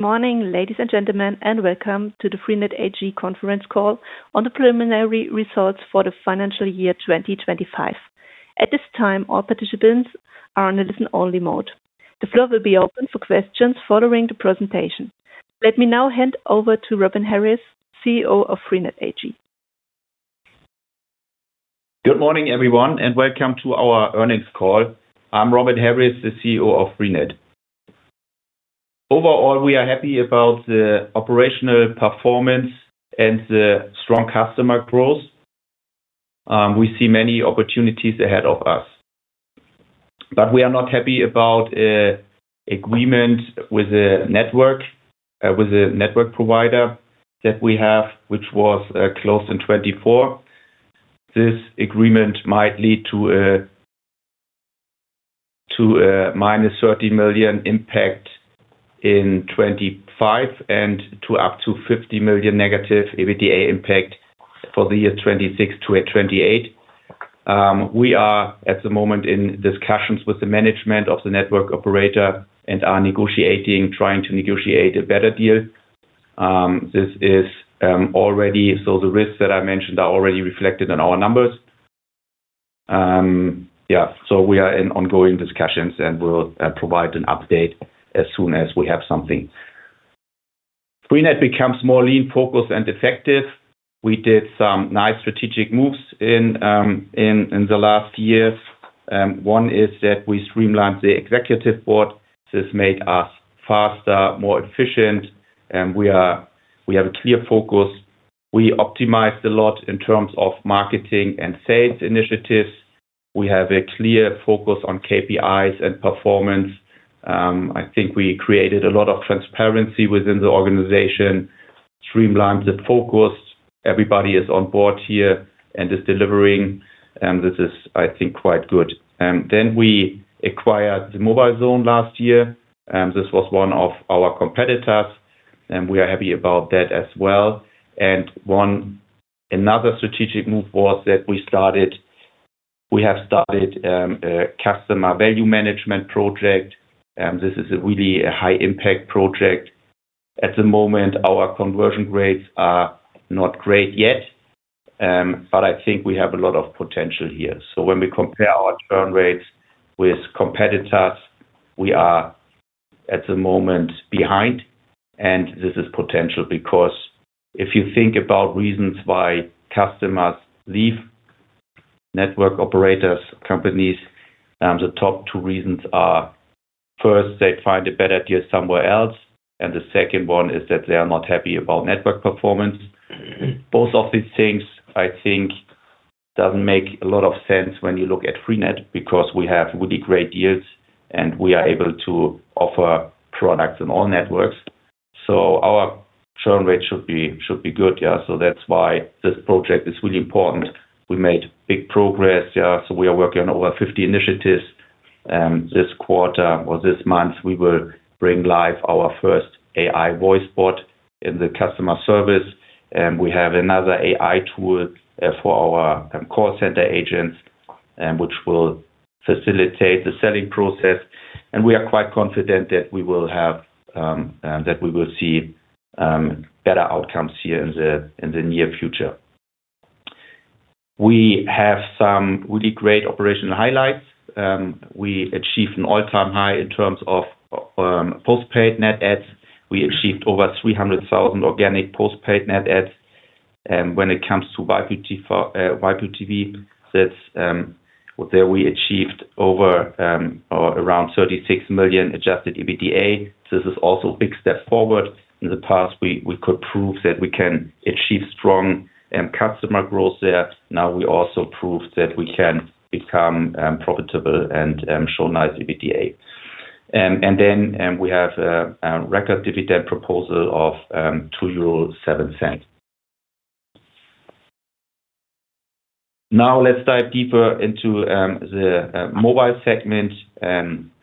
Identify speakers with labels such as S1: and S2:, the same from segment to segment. S1: Good morning, ladies and gentlemen, and welcome to the freenet AG Conference Call on the Preliminary Results for the Financial Year 2025. At this time, all participants are on a listen-only mode. The floor will be open for questions following the presentation. Let me now hand over to Robin Harries, CEO of freenet AG.
S2: Good morning, everyone, and welcome to our earnings call. I'm Robin Harries, the CEO of freenet. Overall, we are happy about the operational performance and the strong customer growth. We see many opportunities ahead of us, we are not happy about agreement with the network, with the network provider that we have, which was closed in 2024. This agreement might lead to a minus 13 million impact in 2025, and to up to 50 million negative EBITDA impact for the year 2026-2028. We are, at the moment, in discussions with the management of the network operator and are trying to negotiate a better deal. This is, the risks that I mentioned are already reflected in our numbers. We are in ongoing discussions, and we'll provide an update as soon as we have something. freenet becomes more lean, focused, and effective. We did some nice strategic moves in the last years. One is that we streamlined the executive board. This made us faster, more efficient, and we have a clear focus. We optimized a lot in terms of marketing and sales initiatives. We have a clear focus on KPIs and performance. I think we created a lot of transparency within the organization, streamlined the focus. Everybody is on board here and is delivering, and this is, I think, quite good. We acquired the mobilezone last year, and this was one of our competitors, and we are happy about that as well. Another strategic move was that we have started a customer value management project, and this is a really a high-impact project. At the moment, our conversion rates are not great yet, but I think we have a lot of potential here. When we compare our churn rates with competitors, we are, at the moment, behind, and this is potential. If you think about reasons why customers leave network operators, companies, the top two reasons are, first, they find a better deal somewhere else, and the second one is that they are not happy about network performance. Both of these things, I think, doesn't make a lot of sense when you look at freenet, because we have really great deals, and we are able to offer products on all networks. Our churn rate should be good. That's why this project is really important. We made big progress. We are working on over 50 initiatives, this quarter or this month, we will bring live our first AI voice bot in the customer service, and we have another AI tool for our call center agents, which will facilitate the selling process. We are quite confident that we will have that we will see better outcomes here in the near future. We have some really great operational highlights. We achieved an all-time high in terms of postpaid net adds. We achieved over 300,000 organic postpaid net adds. When it comes to YPTV, that's there we achieved over or around 36 million Adjusted EBITDA. This is also a big step forward. In the past, we could prove that we can achieve strong customer growth there. We also proved that we can become profitable and show nice EBITDA. We have a record dividend proposal of 2.07 euro. Let's dive deeper into the mobile segment.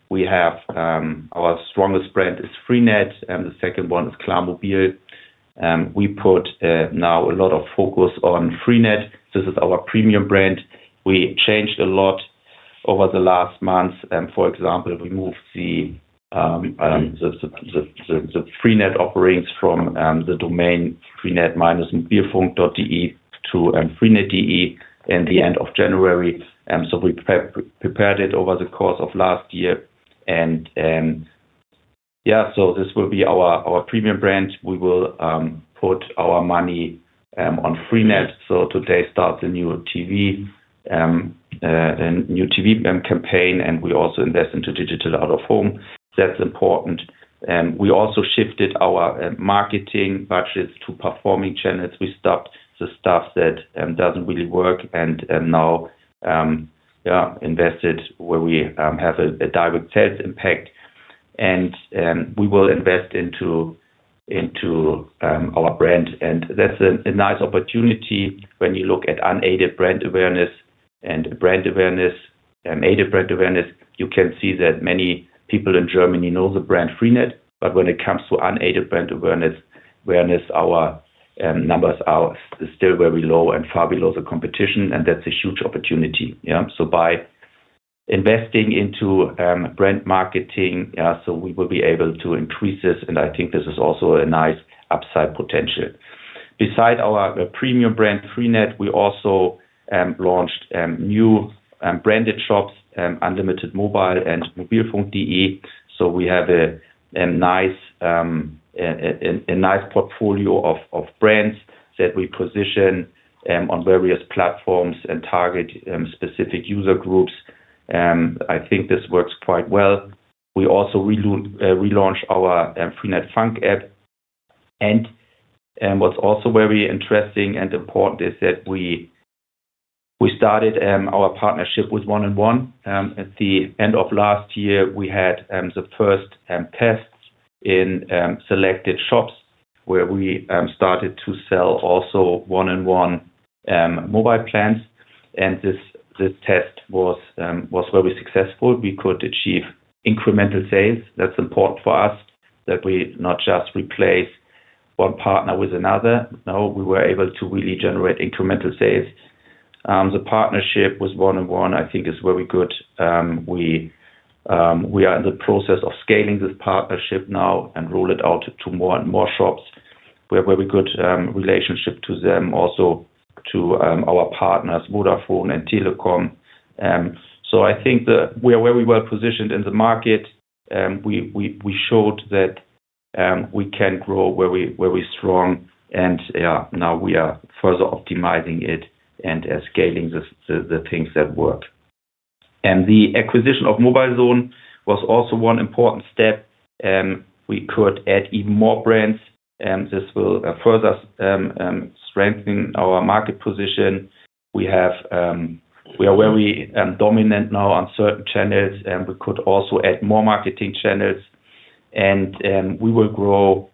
S2: We have our strongest brand is freenet, and the second one is klarmobil. We put now a lot of focus on freenet. This is our premium brand. We changed a lot over the last month, for example, we moved the freenet offerings from the domain freenet-mobilfunk.de to freenet.de in the end of January. We prepared it over the course of last year, and this will be our premium brand. We will put our money on freenet. Today starts a new TV campaign, and we also invest into digital out-of-home. That's important. We also shifted our marketing budgets to performing channels. We stopped the stuff that doesn't really work and now invested where we have a direct sales impact. We will invest into our brand, and that's a nice opportunity when you look at unaided brand awareness and brand awareness, aided brand awareness. You can see that many people in Germany know the brand freenet, but when it comes to unaided brand awareness, our numbers are still very low and far below the competition, and that's a huge opportunity. investing into brand marketing, so we will be able to increase this, and I think this is also a nice upside potential. Beside our premium brand, freenet, we also launched new branded shops, Unlimited Mobile and Mobilfunk.de. We have a nice portfolio of brands that we position on various platforms and target specific user groups, I think this works quite well. We also relaunched our freenet FUNK app. What's also very interesting and important is that we started our partnership with 1&1. At the end of last year, we had the first tests in selected shops where we started to sell also 1&1 mobile plans, and this test was very successful. We could achieve incremental sales. That's important for us, that we not just replace one partner with another. No, we were able to really generate incremental sales. The partnership with 1&1, I think, is very good. We are in the process of scaling this partnership now and roll it out to more and more shops. We have very good relationship to them, also to our partners, Vodafone and Telekom. I think that we are very well positioned in the market, we showed that we can grow where we, where we're strong, and, yeah, now we are further optimizing it and scaling the things that work. The acquisition of mobilezone was also one important step. We could add even more brands, and this will further strengthen our market position. We have, we are very dominant now on certain channels, and we could also add more marketing channels, and we will grow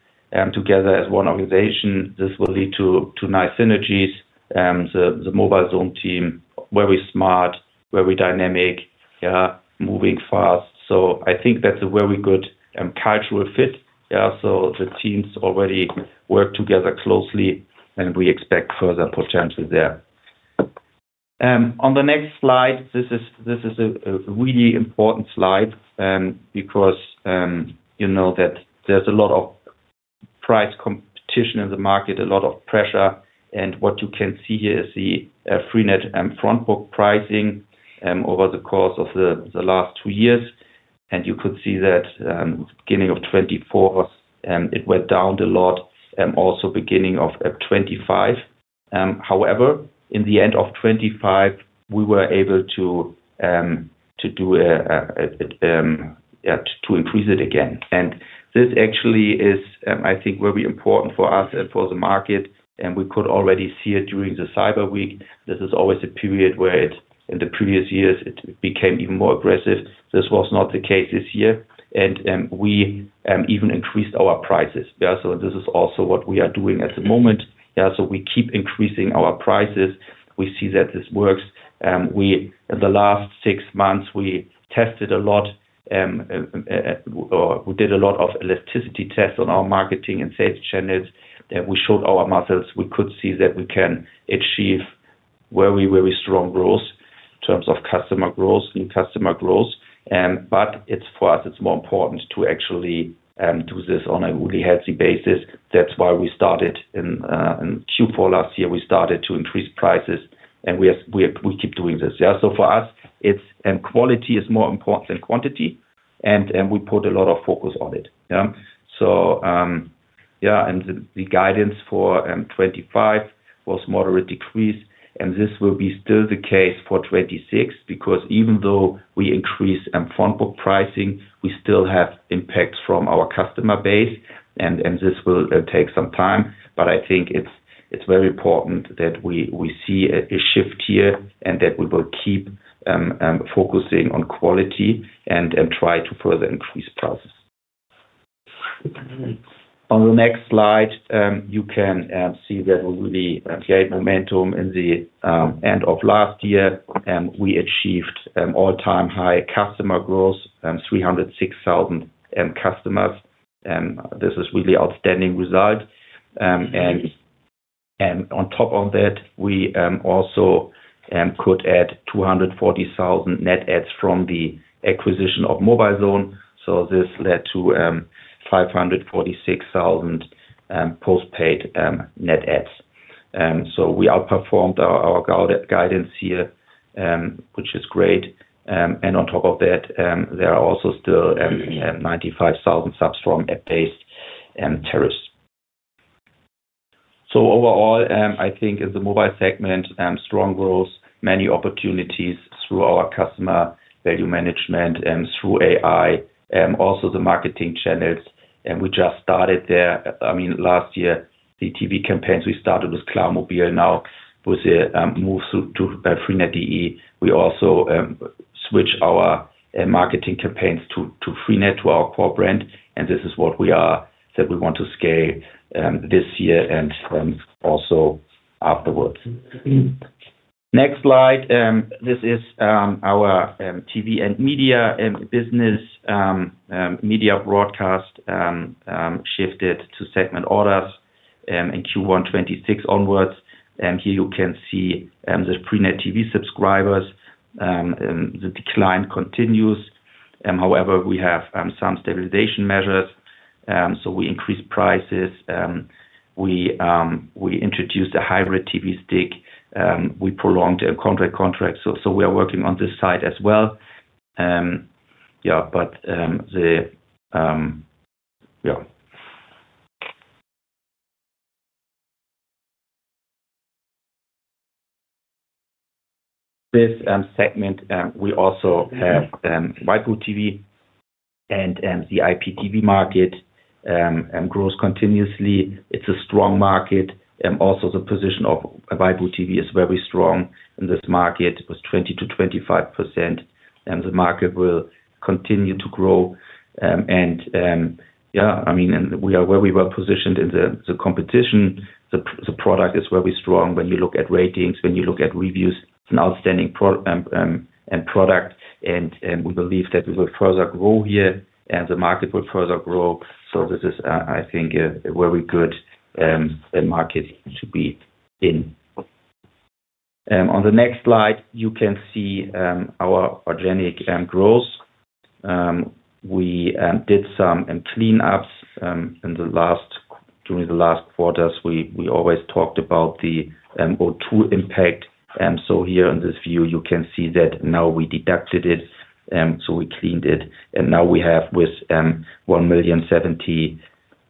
S2: together as one organization. This will lead to nice synergies, the mobilezone team, very smart, very dynamic, yeah, moving fast. I think that's a very good cultural fit. The teams already work together closely, and we expect further potential there. On the next slide, this is, this is a really important slide, because, you know that there's a lot of price competition in the market, a lot of pressure, and what you can see here is the freenet and front book pricing over the course of the last two years. You could see that beginning of 2024, it went down a lot, also beginning of 2025. However, in the end of 2025, we were able to do a, yeah, to increase it again. This actually is, I think, very important for us and for the market, and we could already see it during the Cyber Week. This is always a period where it, in the previous years, it became even more aggressive. This was not the case this year. We even increased our prices. This is also what we are doing at the moment. We keep increasing our prices. We see that this works. In the last 6 months, we tested a lot, or we did a lot of elasticity tests on our marketing and sales channels, that we showed our models. We could see that we can achieve very, very strong growth in terms of customer growth, new customer growth. It's, for us, it's more important to actually do this on a really healthy basis. That's why we started in Q4 last year, we started to increase prices. We keep doing this. For us, quality is more important than quantity, and we put a lot of focus on it. The guidance for 2025 was moderate decrease, and this will be still the case for 26, because even though we increase front book pricing, we still have impacts from our customer base, and this will take some time. I think it's very important that we see a shift here, and that we will keep focusing on quality and try to further increase prices. On the next slide, you can see that we really gained momentum in the end of last year, we achieved all-time high customer growth, 306,000 customers, this is really outstanding result. On top of that, we also could add 240,000 net adds from the acquisition of mobilezone, so this led to 546,000 postpaid net adds. We outperformed our guidance here, which is great. On top of that, there are also still 95,000 subs from base and tariffs. Overall, I think in the mobile segment, strong growth, many opportunities through our customer value management and through AI, also the marketing channels, and we just started there. I mean, last year, the TV campaigns, we started with klarmobil, now with the move to freenet.de. We also switch our marketing campaigns to freenet, to our core brand. This is what we are, that we want to scale this year and also afterwards. Next slide, this is our TV and media business. Media Broadcast shifted to segment orders. In Q1 2026 onwards, here you can see the freenet TV subscribers. The decline continues. We have some stabilization measures. We increased prices, we introduced a Hybrid TV stick, we prolonged a contract, so we are working on this side as well. This segment, we also have waipu.tv and the IPTV market grows continuously. It's a strong market, also the position of waipu.tv is very strong, and this market was 20%-25%, and the market will continue to grow. I mean, we are very well positioned in the competition. The product is very strong. When you look at ratings, when you look at reviews, it's an outstanding product, and we believe that we will further grow here, and the market will further grow. This is, I think, a very good market to be in. On the next slide, you can see our organic growth. We did some cleanups during the last quarters. We always talked about the O2 impact. s view, you can see that now we deducted it, so we cleaned it. Now we have with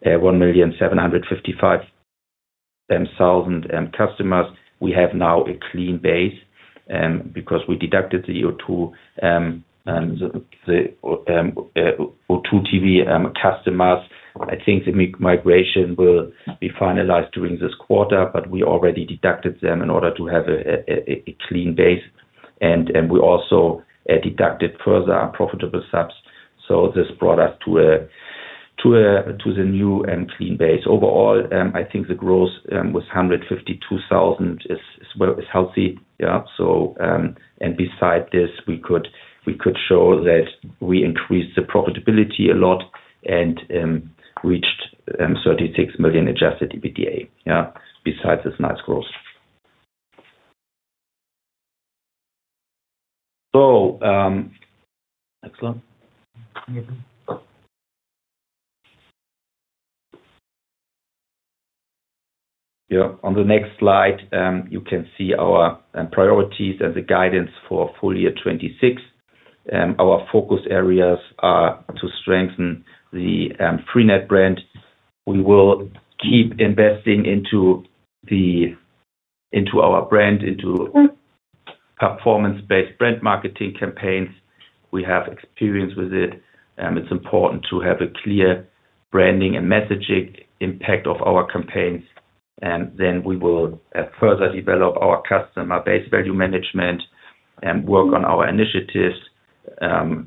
S2: 1,755,000 customers, we have now a clean base, because we deducted the O2, the O2 TV customers. I think the migration will be finalized during this quarter, but we already deducted them in order to have a clean base. We also deducted further unprofitable subs. This brought us to the new and clean base. Overall, I think the growth was 152,000, is well, is healthy. Beside this, we could show that we increased the profitability a lot and reached 36 million Adjusted EBITDA besides this nice growth. Next slide. On the next slide, you can see our priorities and the guidance for full year 2026. Our focus areas are to strengthen the freenet brand. We will keep investing into our brand, into performance-based brand marketing campaigns. We have experience with it's important to have a clear branding and messaging impact of our campaigns. We will further develop our customer base value management and work on our initiatives.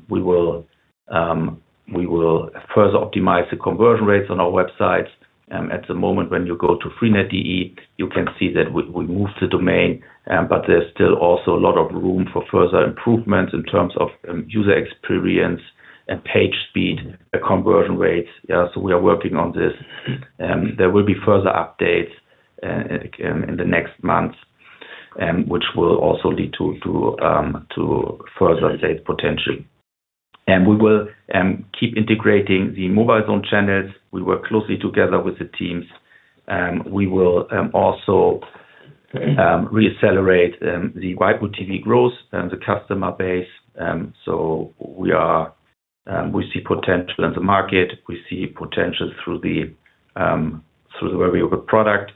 S2: We will further optimize the conversion rates on our websites. At the moment, when you go to freenet.de, you can see that we moved the domain, but there's still also a lot of room for further improvements in terms of user experience and page speed, conversion rates. Yeah, we are working on this. There will be further updates in the next months, which will also lead to further save potential. We will keep integrating the mobilezone channels. We work closely together with the teams, we will also reaccelerate the waipu.tv growth and the customer base. We are, we see potential in the market, we see potential through the through the very good product.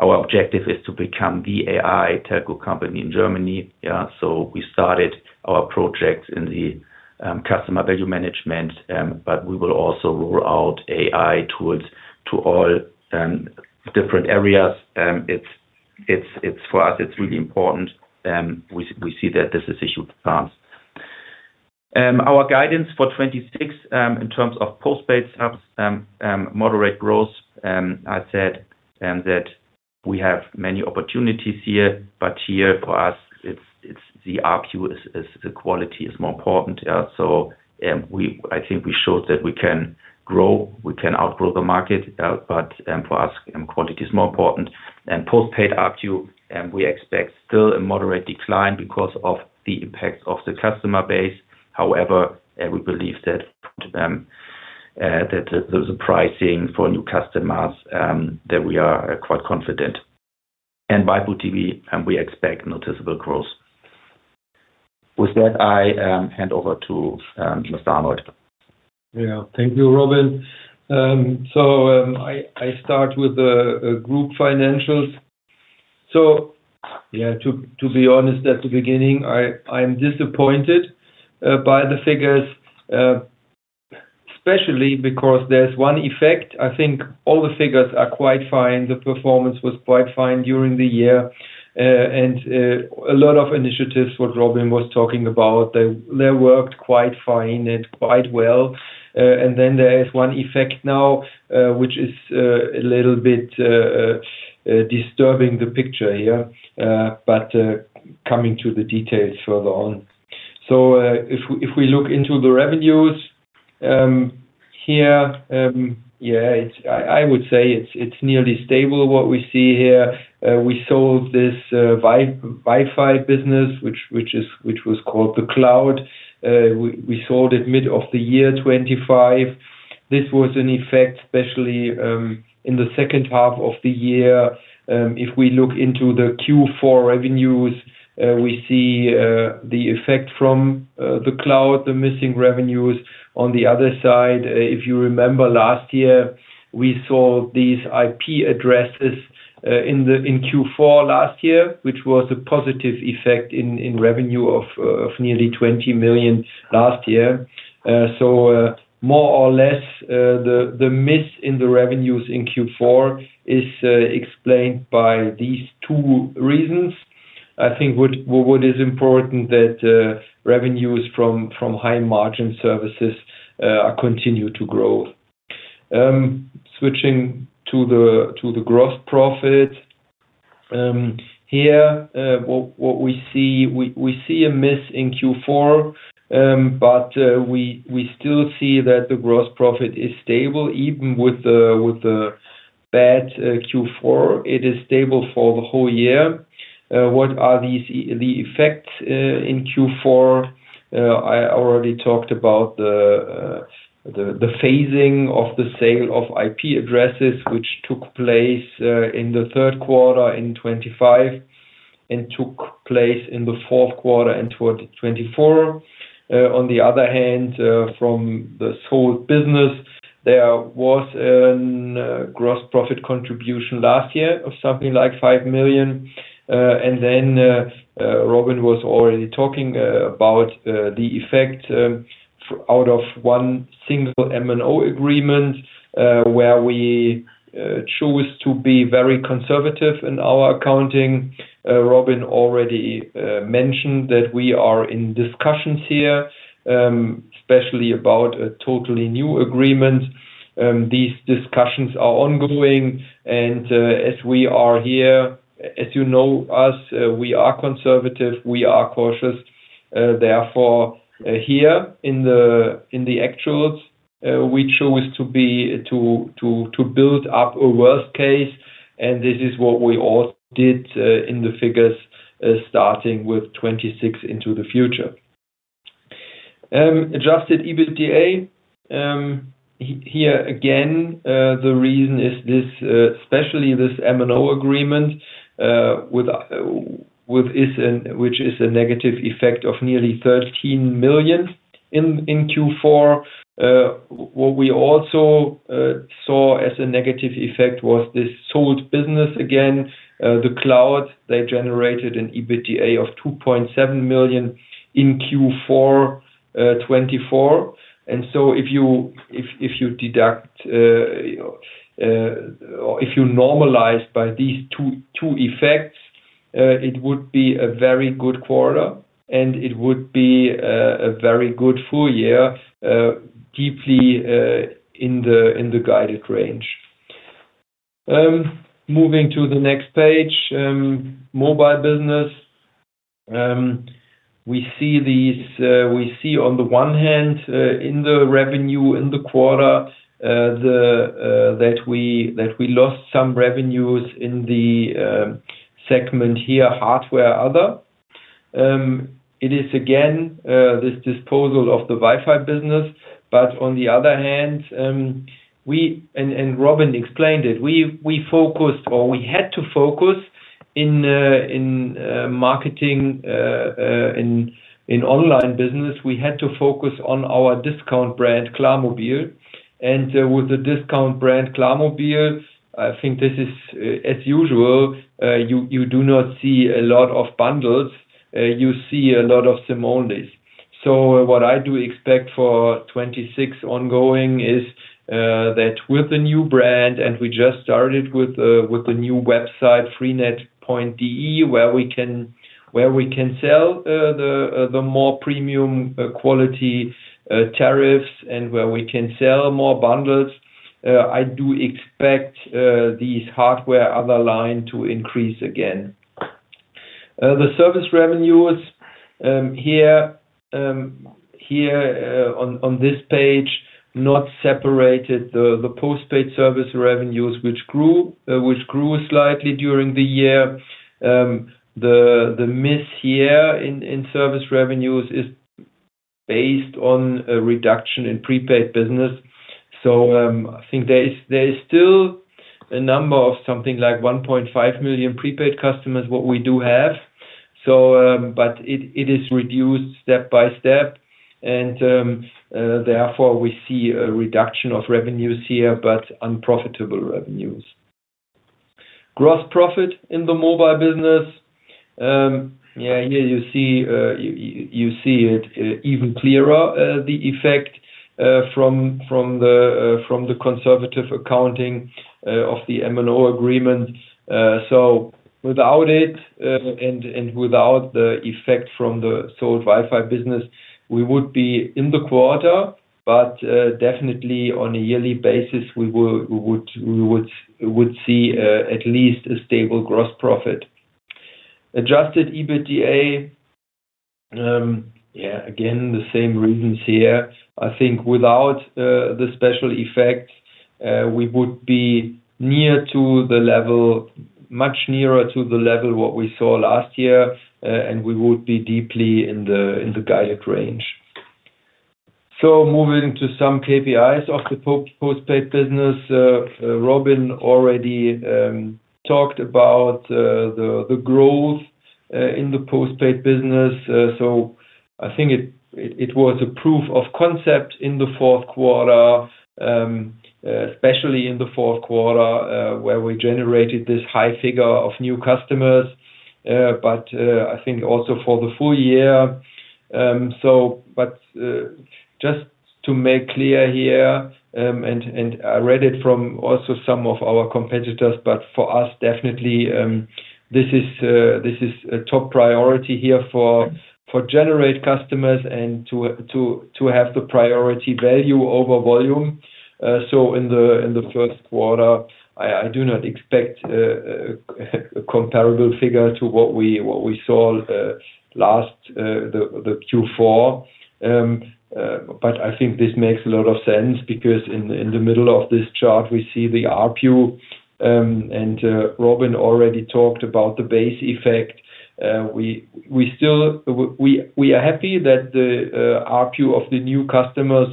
S2: Our objective is to become the AI telco company in Germany. We started our project in the customer value management, but we will also roll out AI tools to all different areas. It's for us, it's really important. We see that this is issue advanced. Our guidance for 2026, in terms of postpaid subs, moderate growth. I said that we have many opportunities here, but here for us, it's the ARPU, the quality is more important. I think we showed that we can grow, we can outgrow the market, but for us, quality is more important. Postpaid ARPU, we expect still a moderate decline because of the impact of the customer base. We believe that the pricing for new customers, that we are quite confident. Waipu.tv, we expect noticeable growth. With that, I hand over to Mr. Arnold.
S3: Thank you, Robin. I start with the group financials. To be honest, at the beginning, I am disappointed by the figures, especially because there's one effect. I think all the figures are quite fine. The performance was quite fine during the year. A lot of initiatives what Robin was talking about, they worked quite fine and quite well. There is one effect now, which is a little bit disturbing the picture here. Coming to the details further on. If we look into the revenues, here, I would say it's nearly stable what we see here. We sold this Wi-Fi business, which was called The Cloud. We sold it mid of the year 2025. This was an effect, especially, in the second half of the year. If we look into the Q4 revenues, we see the effect from The Cloud, the missing revenues. On the other side, if you remember last year, we saw these IP addresses in Q4 last year, which was a positive effect in revenue of nearly 20 million last year. More or less, the miss in the revenues in Q4 is explained by these two reasons. I think what is important that revenues from high-margin services continue to grow. Switching to the gross profit. Here, what we see, we see a miss in Q4, we still see that the gross profit is stable, even with the bad Q4, it is stable for the whole year. What are these, the effects in Q4? I already talked about the phasing of the sale of IP addresses, which took place in the third quarter in 2025, took place in the fourth quarter in 2024. From the sold business, there was an gross profit contribution last year of something like 5 million. Robin was already talking about the effect out of one single MNO agreement, where we choose to be very conservative in our accounting. Robin already mentioned that we are in discussions here, especially about a totally new agreement. These discussions are ongoing, and as we are here, as you know us, we are conservative, we are cautious. Therefore, here in the actuals, we choose to be, to build up a worst case, and this is what we all did in the figures, starting with 2026 into the future. Adjusted EBITDA, here again, the reason is this, especially this MNO agreement, with is, and which is a negative effect of nearly 13 million in Q4. What we also saw as a negative effect was this sold business again. The Cloud, they generated an EBITDA of 2.7 million in Q4 2024. If you deduct or if you normalize by these two effects, it would be a very good quarter, and it would be a very good full year, deeply in the guided range. Moving to the next page, mobile business. We see these, we see on the one hand, in the revenue in the quarter, that we lost some revenues in the segment here, hardware other. It is again this disposal of The Cloud business, on the other hand, and Robin explained it, we focused or we had to focus in marketing, in online business, we had to focus on our discount brand, klarmobil. With the discount brand, klarmobil, I think this is as usual, you do not see a lot of bundles. You see a lot of SIM-only. What I do expect for 2026 ongoing is that with the new brand, and we just started with the new website, freenet.de, where we can sell the more premium quality tariffs and where we can sell more bundles, I do expect these hardware other line to increase again. The service revenues, here, on this page, not separated, the postpaid service revenues, which grew slightly during the year. The miss here in service revenues is based on a reduction in prepaid business. I think there is still a number of something like 1.5 million prepaid customers, what we do have. But it is reduced step by step, and therefore, we see a reduction of revenues here, but unprofitable revenues. Gross profit in the mobile business. Here you see it even clearer the effect from the conservative accounting of the MNO agreement. Without it and without the effect from the sold Wi-Fi business, we would be in the quarter, but definitely on a yearly basis, we would see at least a stable gross profit. Adjusted EBITDA, again, the same reasons here. I think without the special effect, we would be near to the level, much nearer to the level what we saw last year, and we would be deeply in the, in the guided range. Moving to some KPIs of the postpaid business, Robin already talked about the growth in the postpaid business. I think it was a proof of concept in the fourth quarter, especially in the fourth quarter, where we generated this high figure of new customers, but I think also for the full year. Just to make clear here, I read it from also some of our competitors, but for us, definitely, this is a top priority here for generate customers and to have the priority value over volume. In the first quarter, I do not expect a comparable figure to what we, what we saw last, the Q4. I think this makes a lot of sense because in the middle of this chart, we see the ARPU, and Robin already talked about the base effect. We are happy that the ARPU of the new customers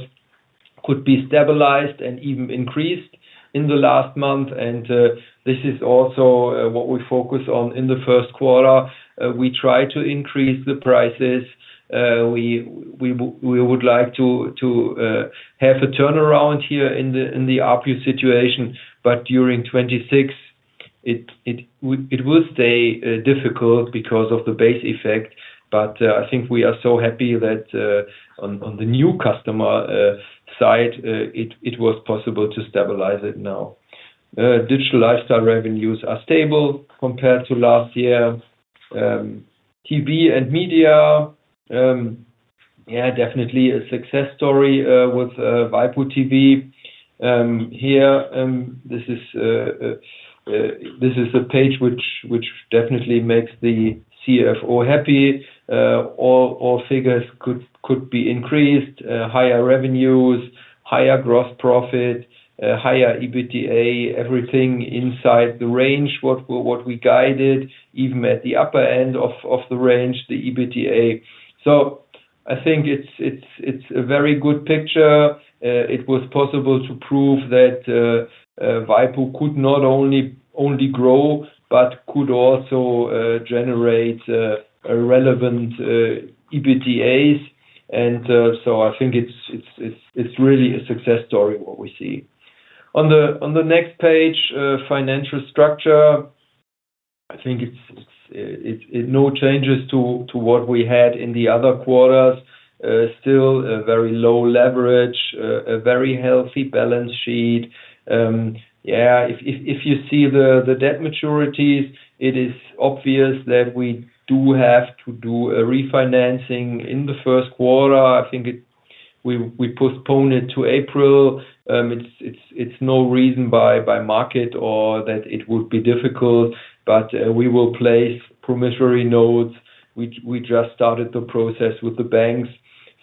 S3: could be stabilized and even increased in the last month. This is also what we focus on in the first quarter. We try to increase the prices. We would like to have a turnaround here in the ARPU situation. During 2026, it will stay difficult because of the base effect. I think we are so happy that on the new customer side, it was possible to stabilize it now. Digital lifestyle revenues are stable compared to last year. TV and media, yeah, definitely a success story with waipu.tv. Here, this is a page which definitely makes the CFO happy. All figures could be increased, higher revenues, higher gross profit, higher EBITDA, everything inside the range, what we guided, even at the upper end of the range, the EBITDA. I think it's a very good picture. It was possible to prove that waipu could not only grow, but could also generate a relevant EBITDA. I think it's really a success story, what we see. On the next page, financial structure, I think it, no changes to what we had in the other quarters. Still a very low leverage, a very healthy balance sheet. Yeah, if you see the debt maturities, it is obvious that we do have to do a refinancing in the first quarter. I think we postponed it to April. It's no reason by market or that it would be difficult, we will place promissory notes. We just started the process with the banks.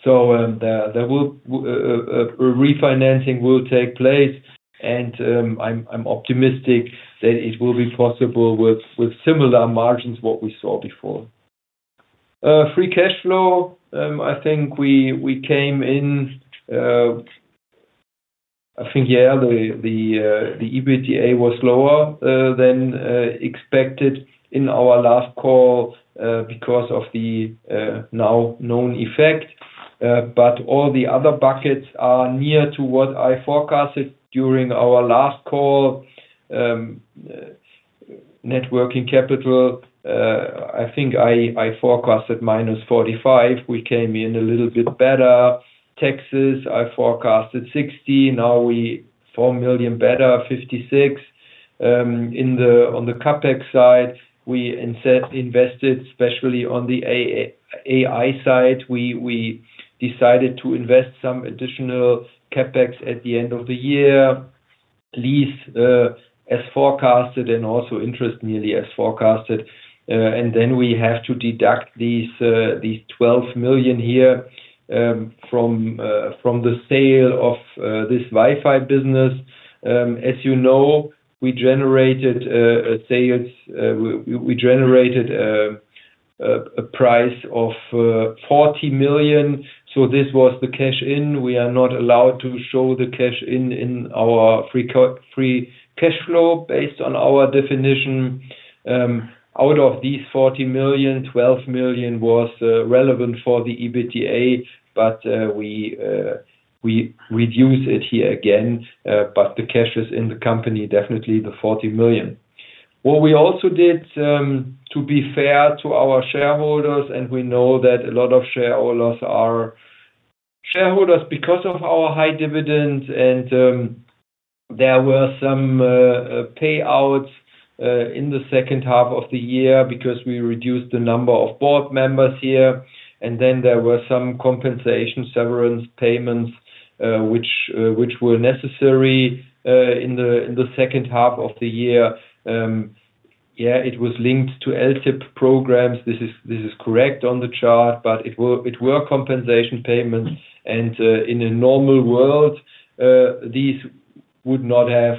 S3: There will refinancing will take place, I'm optimistic that it will be possible with similar margins, what we saw before. Free cash flow, I think we came in, I think, yeah, the EBITDA was lower than expected in our last call because of the now known effect. All the other buckets are near to what I forecasted during our last call. Networking capital, I think I forecasted minus 45 million. We came in a little bit better. Taxes, I forecasted 60 million, now we 4 million better, 56 million. On the CapEx side, we invested, especially on the AI side. We decided to invest some additional CapEx at the end of the year, lease, as forecasted and also interest nearly as forecasted. Then we have to deduct these 12 million here from the sale of this Wi-Fi business. As you know, we generated a sales, we generated a price of 40 million, so this was the cash in. We are not allowed to show the cash in our free cash flow, based on our definition. llion, 12 million was relevant for the EBITDA, but we reduce it here again, but the cash is in the company, definitely the 40 million. What we also did, to be fair to our shareholders, and we know that a lot of shareholders are shareholders because of our high dividends, and there were some payouts in the second half of the year because we reduced the number of board members here, and then there were some compensation, severance payments, which were necessary in the second half of the year. Yeah, it was linked to LTIP programs. This is correct on the chart, but it were compensation payments In a normal world, these would not have,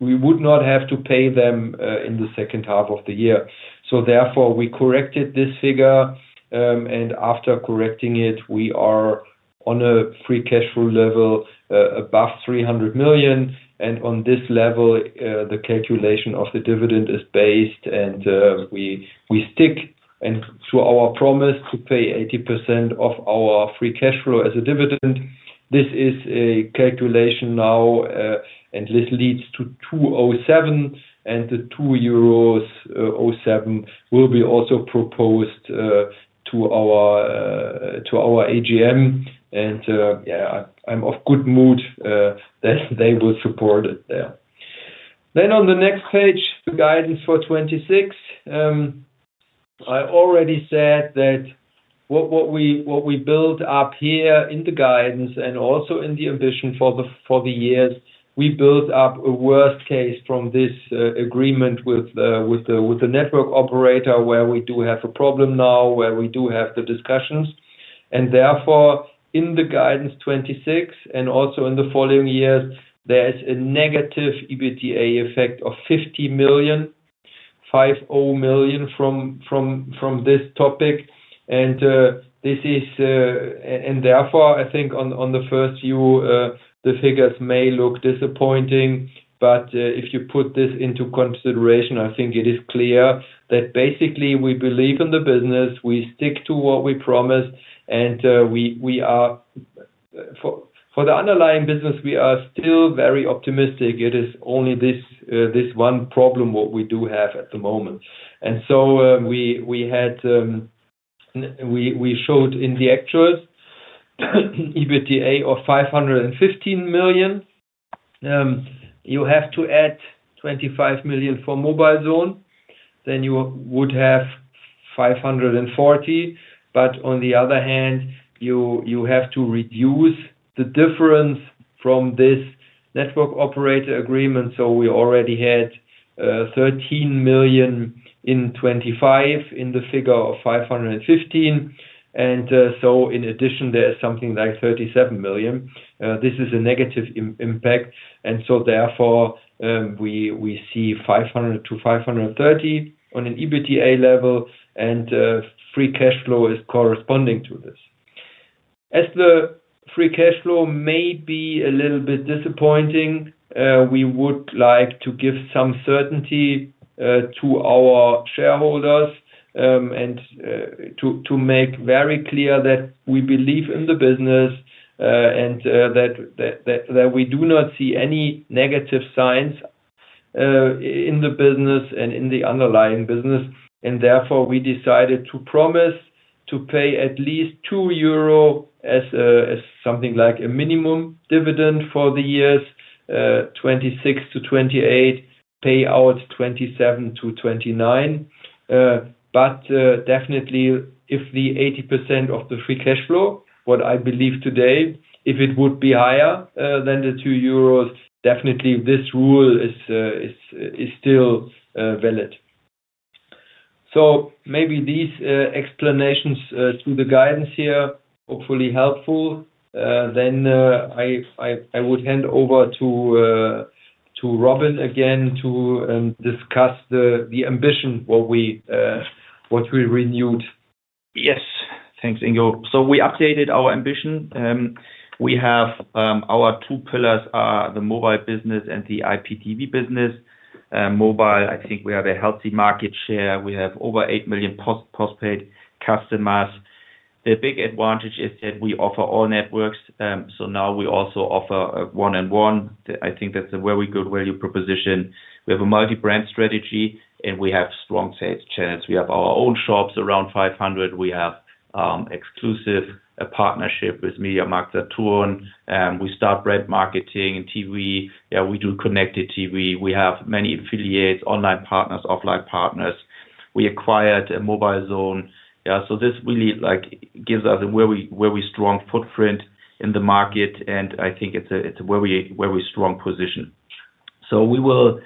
S3: we would not have to pay them in the second half of the year. Therefore, we corrected this figure, and after correcting it, we are on a free cash flow level above 300 million. On this level, the calculation of the dividend is based, and we stick to our promise to pay 80% of our free cash flow as a dividend. This is a calculation now, and this leads to 2.07, and the 2.07 euros will be also proposed to our AGM. Yeah, I'm of good mood that they will support it there. On the next page, the guidance for 2026. I already said that what we build up here in the guidance and also in the ambition for the years, we build up a worst case from this agreement with the network operator, where we do have a problem now, where we do have the discussions. Therefore, in the guidance 26, and also in the following years, there is a negative EBITDA effect of 50 million, 5 million from this topic. This is. Therefore, I think on the first view, the figures may look disappointing, but if you put this into consideration, I think it is clear that basically, we believe in the business, we stick to what we promise, and we are. For the underlying business, we are still very optimistic. It is only this one problem what we do have at the moment. We showed in the actuals, EBITDA of 515 million. You have to add 25 million for mobilezone, then you would have 540 million. You have to reduce the difference from this network operator agreement. We already had 13 million in 2025 in the figure of 515 million. In addition, there is something like 37 million. This is a negative impact, we see 500 million-530 million on an EBITDA level, free cash flow is corresponding to this. As the free cash flow may be a little bit disappointing, we would like to give some certainty to our shareholders, and to make very clear that we believe in the business, and that we do not see any negative signs in the business and in the underlying business. Therefore, we decided to promise to pay at least 2 euro as something like a minimum dividend for the years 2026-2028, pay out 2027-2029. But definitely, if the 80% of the free cash flow, what I believe today, if it would be higher than the 2 euros, definitely this rule is still valid. Maybe these explanations to the guidance here, hopefully helpful. I would hand over to Robin again to discuss the ambition, what we renewed.
S2: Yes. Thanks, Ingo. We updated our ambition. We have our two pillars are the mobile business and the IPTV business. Mobile, I think we have a healthy market share. We have over 8 million post-paid customers. The big advantage is that we offer all networks, so now we also offer 1&1. I think that's a very good value proposition. We have a multi-brand strategy, and we have strong sales channels. We have our own shops, around 500. We have exclusive partnership with MediaMarktSaturn, we start brand marketing and TV. Yeah, we do connected TV. We have many affiliates, online partners, offline partners. We acquired mobilezone. Yeah, this really, like, gives us a very, very strong footprint in the market, and I think it's a very, very strong position. We will.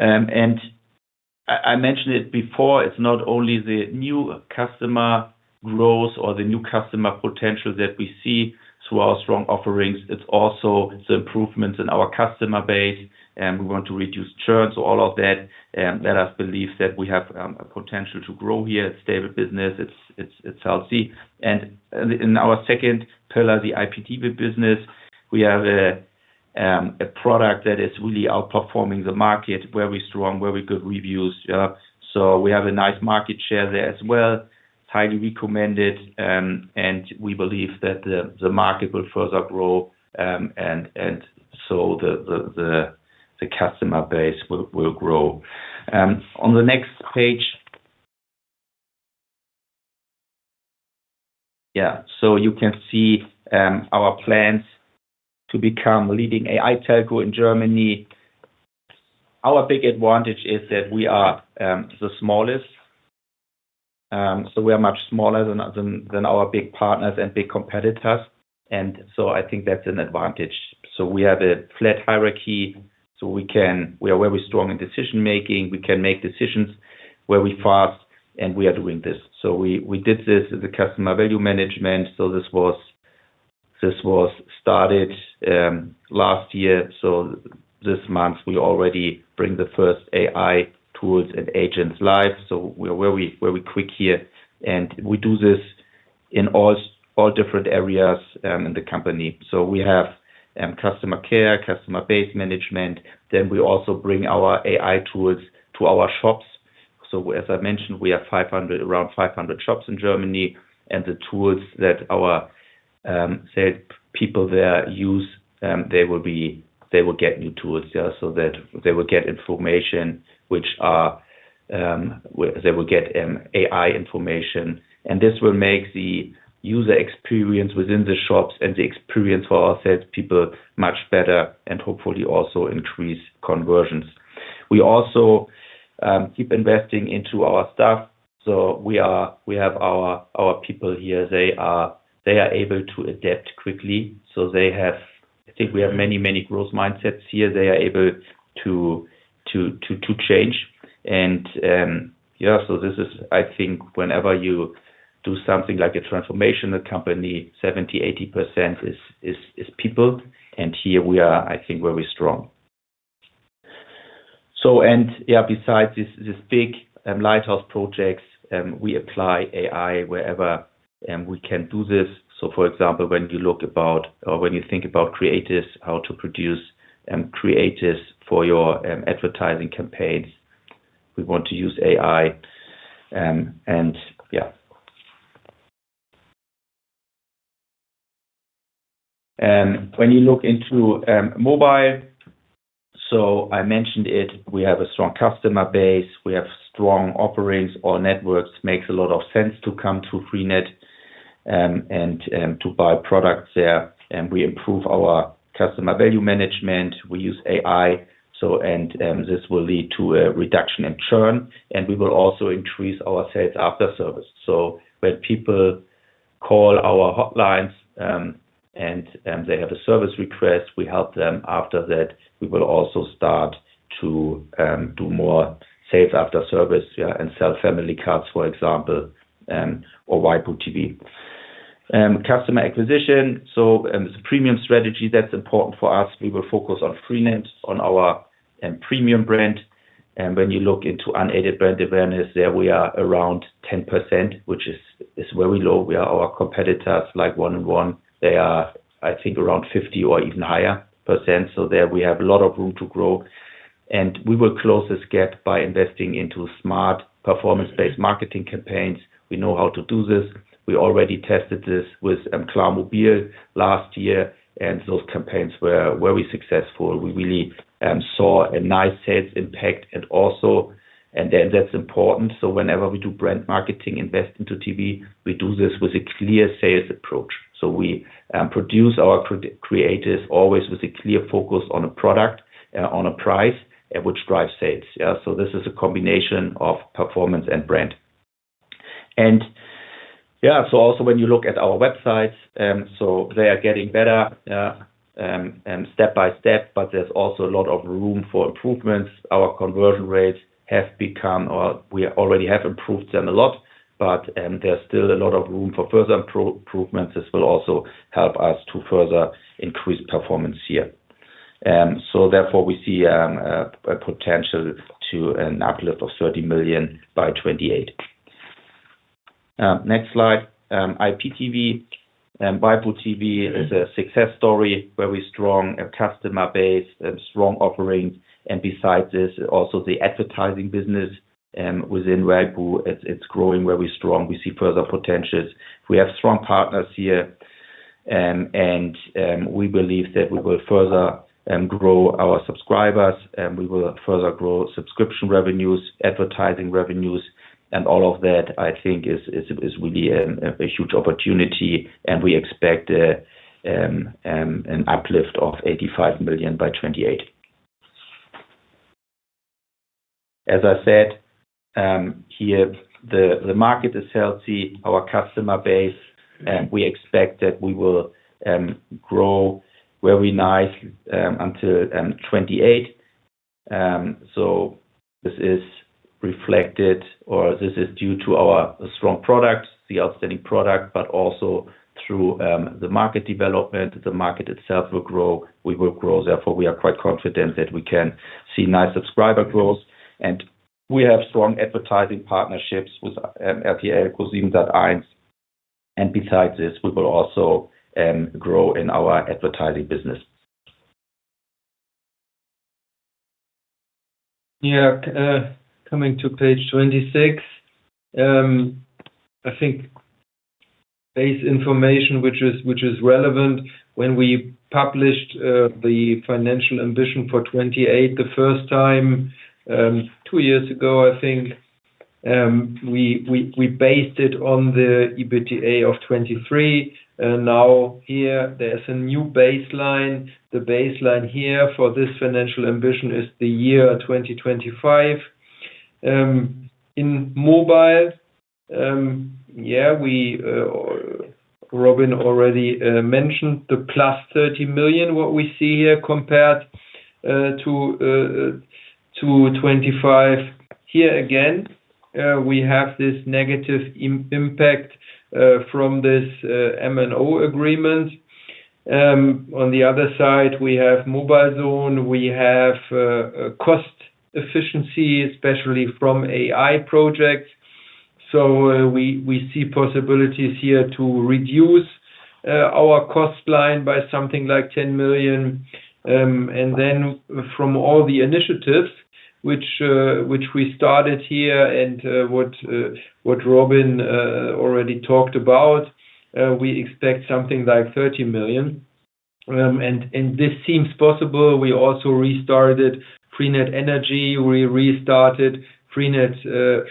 S2: I mentioned it before, it's not only the new customer growth or the new customer potential that we see through our strong offerings, it's also the improvements in our customer base, and we want to reduce churn. All of that let us believe that we have a potential to grow here, a stable business, it's healthy. In our second pillar, the IPTV business, we have a product that is really outperforming the market, very strong, very good reviews. We have a nice market share there as well, highly recommended, and we believe that the market will further grow, and so the customer base will grow. On the next page. You can see our plans to become leading AI telco in Germany. Our big advantage is that we are the smallest. We are much smaller than our big partners and big competitors, and so I think that's an advantage. We have a flat hierarchy, so we are very strong in decision-making. We can make decisions very fast, and we are doing this. We did this as a customer value management. This was started last year. This month, we already bring the first AI tools and agents live. We're very, very quick here, and we do this in all different areas in the company. We have customer care, customer base management, then we also bring our AI tools to our shops. As I mentioned, we have around 500 shops in Germany, and the tools that our sales people there use, they will get new tools there so that they will get information. They will get AI information, and this will make the user experience within the shops and the experience for our sales people much better and hopefully also increase conversions. We also keep investing into our staff, so we have our people here, they are able to adapt quickly, so I think we have many growth mindsets here. They are able to change. Yeah, so this is. I think whenever you do something like a transformational company, 70%, 80% is people, and here we are, I think, very strong. Yeah, besides this big, lighthouse projects, we apply AI wherever, and we can do this. For example, when you look about or when you think about creatives, how to produce creatives for your advertising campaigns, we want to use AI, and yeah. When you look into mobile, so I mentioned it, we have a strong customer base, we have strong offerings or networks, makes a lot of sense to come to freenet and to buy products there, and we improve our customer value management. We use AI, so this will lead to a reduction in churn, and we will also increase our sales after service. When people call our hotlines, and they have a service request, we help them. After that, we will also start to do more sales after service, yeah, and sell family cards, for example, or waipu TV. Customer acquisition, so the premium strategy, that's important for us. We will focus on freenet's, on our premium brand. When you look into unaided brand awareness, there we are around 10%, which is very low. We are our competitors, like 1&1, they are, I think, around 50% or even higher. There we have a lot of room to grow, and we will close this gap by investing into smart, performance-based marketing campaigns. We know how to do this. We already tested this with klarmobil last year, and those campaigns were very successful. We really saw a nice sales impact and then that's important. Whenever we do brand marketing, invest into TV, we do this with a clear sales approach. We produce our creatives always with a clear focus on a product, on a price, which drives sales. This is a combination of performance and brand. Also when you look at our websites, they are getting better step by step, but there's also a lot of room for improvements. Our conversion rates have become, or we already have improved them a lot, but there's still a lot of room for further improvements. This will also help us to further increase performance here. Therefore, we see a potential to an uplift of 30 million by 2028. Next slide. IPTV, waipu.tv is a success story, very strong, a customer base, a strong offering, and besides this, also the advertising business within waipu, it's growing very strong. We see further potentials. We have strong partners here, and we believe that we will further grow our subscribers, and we will further grow subscription revenues, advertising revenues, and all of that, I think is really a huge opportunity, and we expect an uplift of 85 million by 2028. As I said, here, the market is healthy, our customer base, and we expect that we will grow very nice until 2028. This is reflected, or this is due to our strong products, the outstanding product, but also through the market development. The market itself will grow, we will grow. We are quite confident that we can see nice subscriber growth, and we have strong advertising partnerships with RTL Cuisine.de. Besides this, we will also grow in our advertising business.
S3: Yeah, coming to Page 26, base information, which is relevant. When we published the financial ambition for 2028 the first time, two years ago, I think, we based it on the EBITDA of 2023, and now here there's a new baseline. The baseline here for this financial ambition is the year 2025. In mobile, yeah, Robin already mentioned the +30 million, what we see here compared to 2025. Here again, we have this negative impact from this MNO agreement. On the other side, we have mobilezone, we have a cost efficiency, especially from AI projects. We see possibilities here to reduce our cost line by something like 10 million. From all the initiatives, which we started here and what Robin already talked about, we expect something like 30 million. This seems possible. We also restarted freenet Energy, we restarted freenet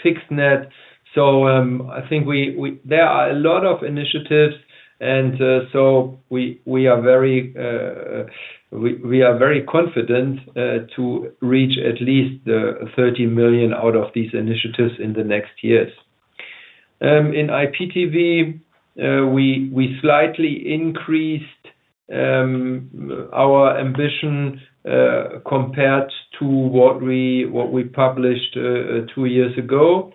S3: Fixed Net. I think there are a lot of initiatives, we are very confident to reach at least the 30 million out of these initiatives in the next years. In IPTV, we slightly increased our ambition compared to what we published two years ago.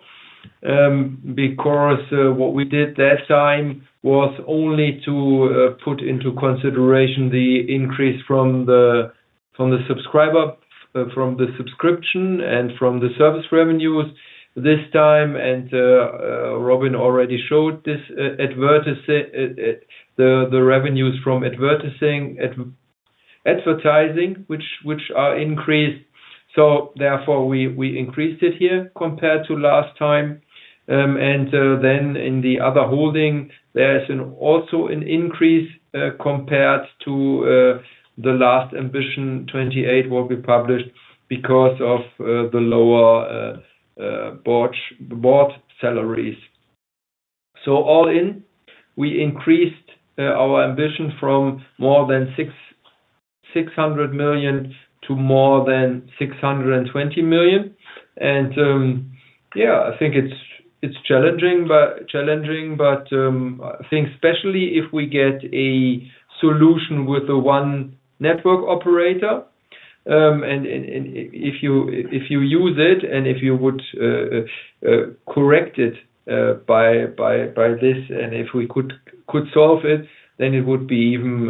S3: Because what we did that time was only to put into consideration the increase from the subscriber, from the subscription, and from the service revenues this time. Robin already showed this, the revenues from advertising, which are increased. Therefore, we increased it here compared to last time. In the other holding, there's an also an increase compared to the last ambition 28 what we published because of the lower board salaries. All in, we increased our ambition from more than 600 million to more than 620 million. Yeah, I think it's challenging, but I think especially if we get a solution with the one network operator, and if you use it, and if you would correct it by this, and if we could solve it, then it would be even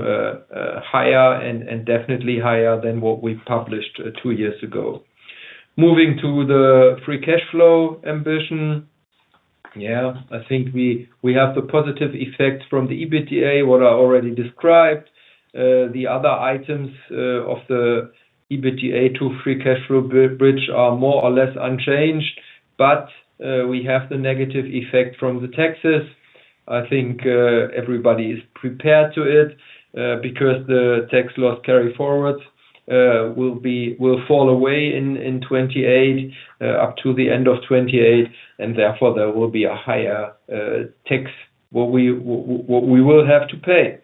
S3: higher and definitely higher than what we published two years ago. Moving to the free cash flow ambition. Yeah, I think we have the positive effect from the EBITDA, what I already described. The other items of the EBITDA to free cash flow bridge are more or less unchanged, but we have the negative effect from the taxes. I think everybody is prepared to it because the tax loss carryforward will fall away in 2028, up to the end of 2028, and therefore, there will be a higher tax what we will have to pay.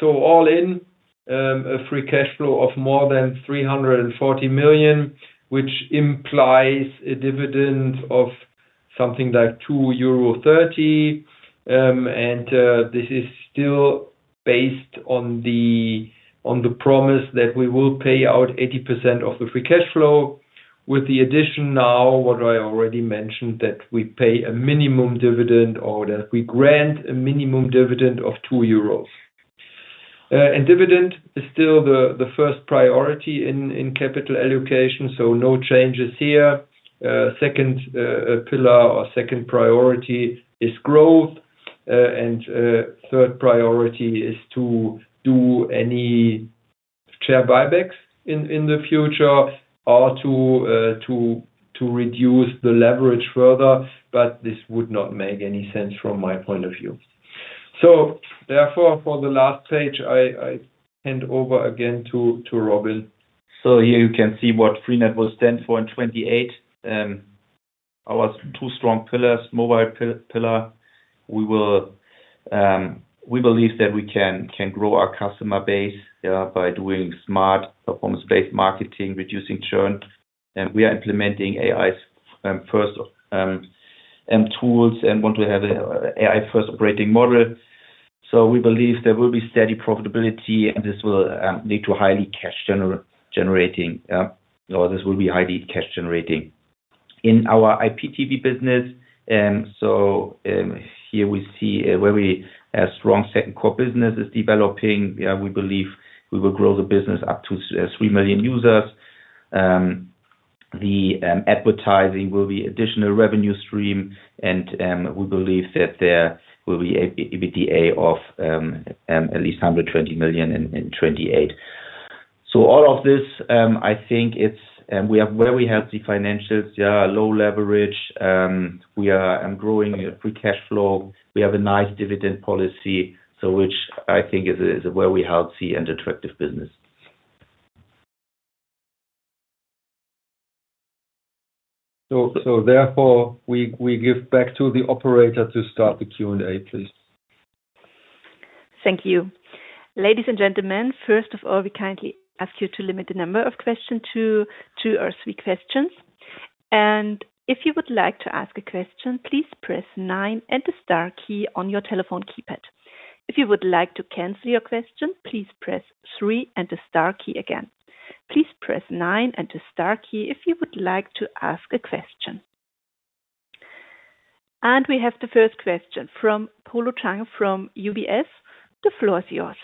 S3: All in, a free cash flow of more than 340 million, which implies a dividend of something like 2.30 euro. This is still based on the promise that we will pay out 80% of the free cash flow, with the addition now, what I already mentioned, that we pay a minimum dividend or that we grant a minimum dividend of 2 euros. Dividend is still the first priority in capital allocation, no changes here. Second pillar or second priority is growth. Third priority is to do any share buybacks in the future or to reduce the leverage further, but this would not make any sense from my point of view. Therefore, for the last page, I hand over again to Robin. Here you can see what freenet will stand for in 2028. Our two strong pillars, mobile pillar. We will, we believe that we can grow our customer base by doing smart performance-based marketing, reducing churn. We are implementing AI first tools and want to have a AI-first operating model. We believe there will be steady profitability, and this will lead to highly cash generating, or this will be highly cash generating. In our IPTV business, here we see where we a strong second core business is developing. We believe we will grow the business up to 3 million users. The advertising will be additional revenue stream, and we believe that there will be an EBITDA of at least 120 million in 2028. All of this, I think it's, and we have very healthy financials, low leverage, we are growing a free cash flow. We have a nice dividend policy, which I think is a very healthy and attractive business. Therefore, we give back to the operator to start the Q&A, please.
S1: Thank you. Ladies and gentlemen, first of all, we kindly ask you to limit the number of questions to two or three questions. If you would like to ask a question, please press nine and the star key on your telephone keypad. If you would like to cancel your question, please press three and the star key again. Please press nine and the star key if you would like to ask a question. We have the first question from Paul Cheng, from UBS. The floor is yours.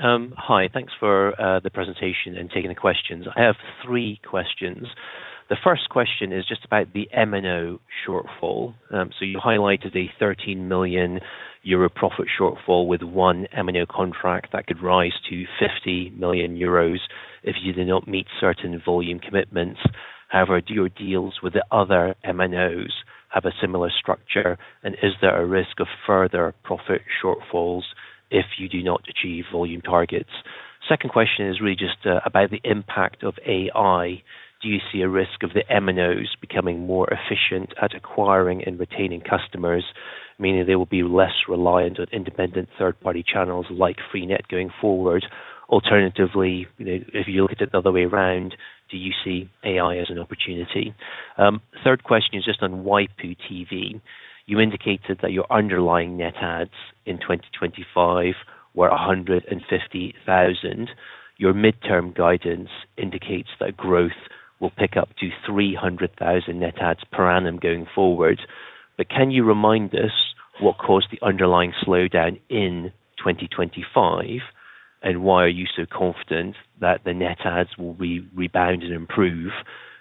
S4: Hi. Thanks for the presentation and taking the questions. I have three questions. The first question is just about the MNO shortfall. You highlighted a 13 million euro profit shortfall with one MNO contract that could rise to 50 million euros if you do not meet certain volume commitments. However, do your deals with the other MNOs have a similar structure? Is there a risk of further profit shortfalls if you do not achieve volume targets? Second question is really just about the impact of AI. Do you see a risk of the MNOs becoming more efficient at acquiring and retaining customers, meaning they will be less reliant on independent third-party channels like freenet going forward? Alternatively, if you look at it the other way around, do you see AI as an opportunity? Third question is just on waipu.tv. You indicated that your underlying net adds in 2025 were 150,000. Your midterm guidance indicates that growth will pick up to 300,000 net adds per annum going forward. Can you remind us what caused the underlying slowdown in 2025? Why are you so confident that the net adds will be rebound and improve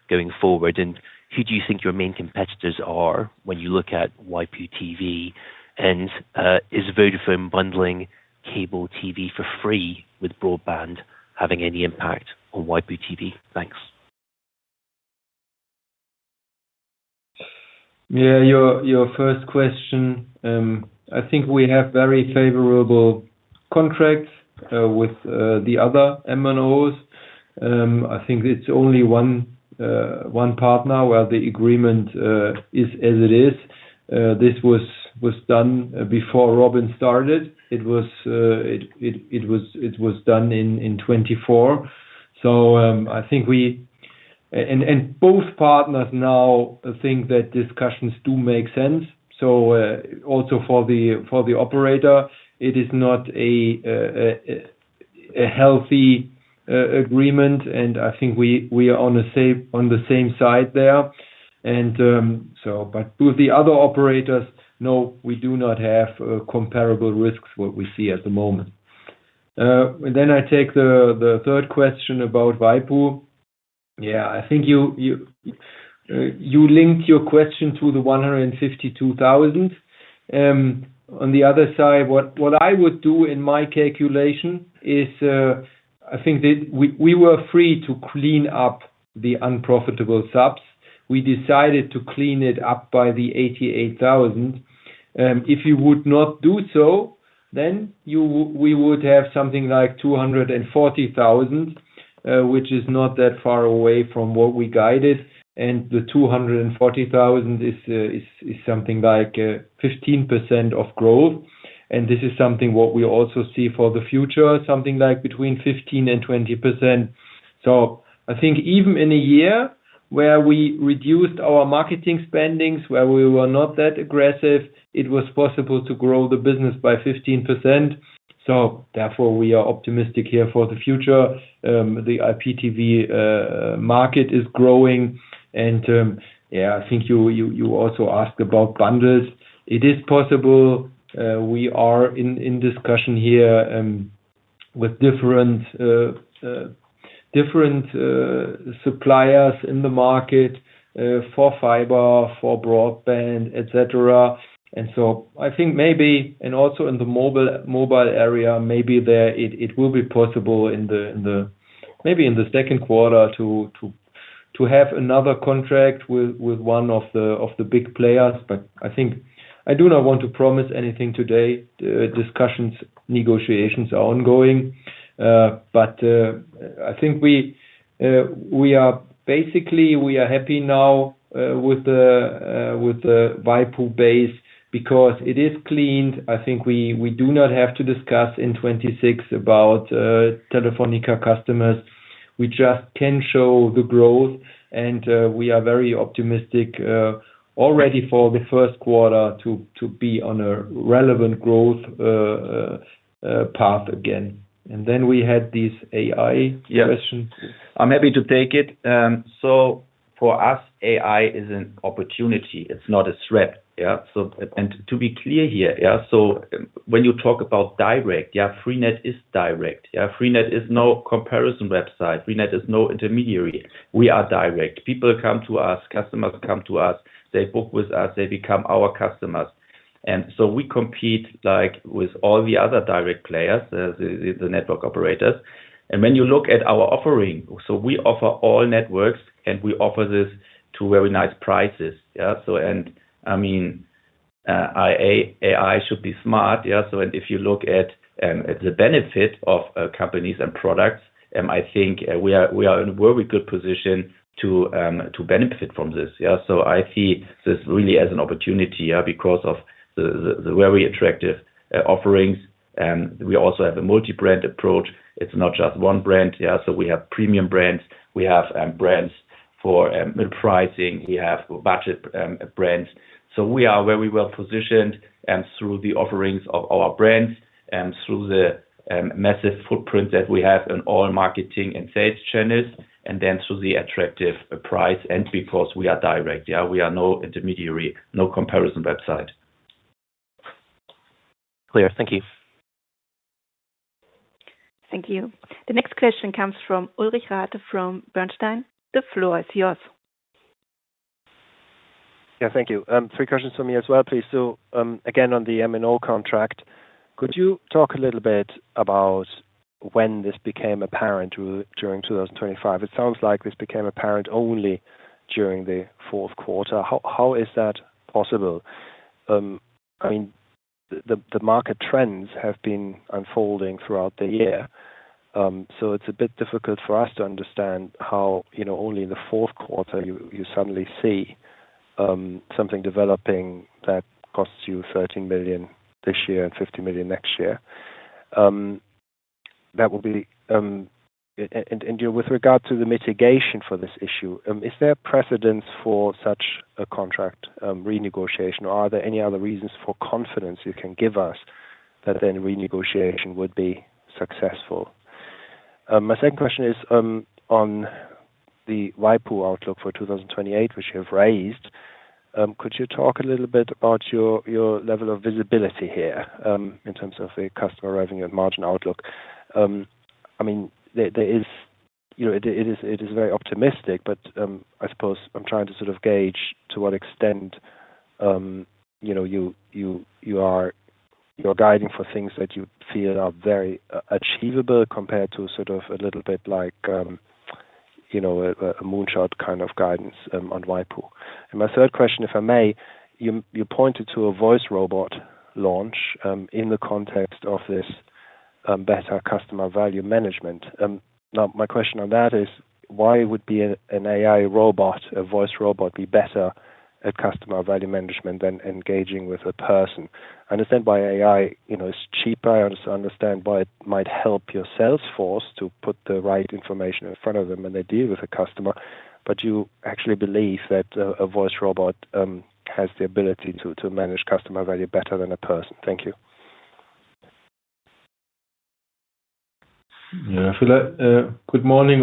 S4: going forward? Who do you think your main competitors are when you look at waipu.tv? Is Vodafone bundling cable TV for free, with broadband, having any impact on waipu.tv? Thanks.
S3: Yeah, your first question, I think we have very favorable contracts with the other MNOs. I think it's only one partner where the agreement is as it is. This was done before Robin started. It was done in 2024. I think both partners now think that discussions do make sense. Also for the operator, it is not a healthy agreement, and I think we are on the same side there. With the other operators, no, we do not have comparable risks, what we see at the moment. I take the third question about waipu. Yeah, I think you linked your question to the 152,000. On the other side, what I would do in my calculation is, I think that we were free to clean up the unprofitable subs. We decided to clean it up by the 88,000. If you would not do so, then we would have something like 240,000, which is not that far away from what we guided, and the 240,000 is something like 15% of growth. This is something what we also see for the future, something like between 15% and 20%. I think even in a year where we reduced our marketing spendings, where we were not that aggressive, it was possible to grow the business by 15%. Therefore, we are optimistic here for the future. The IPTV market is growing, and I think you also asked about bundles. It is possible, we are in discussion here with different suppliers in the market for fiber, for broadband, et cetera. I think maybe, and also in the mobile area, maybe there it will be possible in the second quarter to have another contract with one of the big players. I think I do not want to promise anything today. Discussions, negotiations are ongoing, but I think we are basically, we are happy now with the waipu base because it is cleaned. I think we do not have to discuss in 2026 about Telefónica customers. We just can show the growth, and we are very optimistic already for the first quarter to be on a relevant growth path again. We had this AI question. I'm happy to take it. For us, AI is an opportunity. It's not a threat. Yeah. To be clear here, when you talk about direct, freenet is direct. freenet is no comparison website. freenet is no intermediary. We are direct. People come to us, customers come to us, they book with us, they become our customers. We compete like with all the other direct players, the network operators. When you look at our offering, we offer all networks, and we offer this to very nice prices. Yeah, I mean, AI should be smart, yeah. If you look at the benefit of companies and products, I think we are in a very good position to benefit from this, yeah. I see this really as an opportunity, yeah, because of the very attractive offerings, and we also have a multi-brand approach. It's not just one brand, yeah, we have premium brands, we have brands for mid pricing, we have budget brands. We are very well positioned and through the offerings of our brands and through the massive footprint that we have in all marketing and sales channels, and then through the attractive price and because we are direct, yeah, we are no intermediary, no comparison website.
S1: Clear. Thank you. Thank you. The next question comes from Ulrich Rathe from Bernstein. The floor is yours.
S5: Yeah, thank you. Three questions from me as well, please. Again, on the MNO contract, could you talk a little bit about when this became apparent during 2025? It sounds like this became apparent only during the fourth quarter. How, how is that possible? I mean, the market trends have been unfolding throughout the year, so it's a bit difficult for us to understand how, you know, only in the fourth quarter you suddenly see, something developing that costs you 13 million this year and 50 million next year. That will be. With regard to the mitigation for this issue, is there a precedence for such a contract, renegotiation, or are there any other reasons for confidence you can give us that any renegotiation would be successful? My second question is on the waipu outlook for 2028, which you have raised. Could you talk a little bit about your level of visibility here, in terms of the customer arriving at margin outlook? I mean, there is, you know, it is, it is very optimistic, but I suppose I'm trying to sort of gauge to what extent, you know, you're guiding for things that you feel are very achievable compared to sort of a little bit like, you know, a moonshot kind of guidance on waipu. My third question, if I may, you pointed to a voice robot launch, in the context of this better customer value management. Now, my question on that is, why would an AI robot, a voice robot, be better at customer value management than engaging with a person? Understand why AI, you know, is cheaper. I also understand why it might help your sales force to put the right information in front of them when they deal with a customer, but you actually believe that a voice robot has the ability to manage customer value better than a person? Thank you.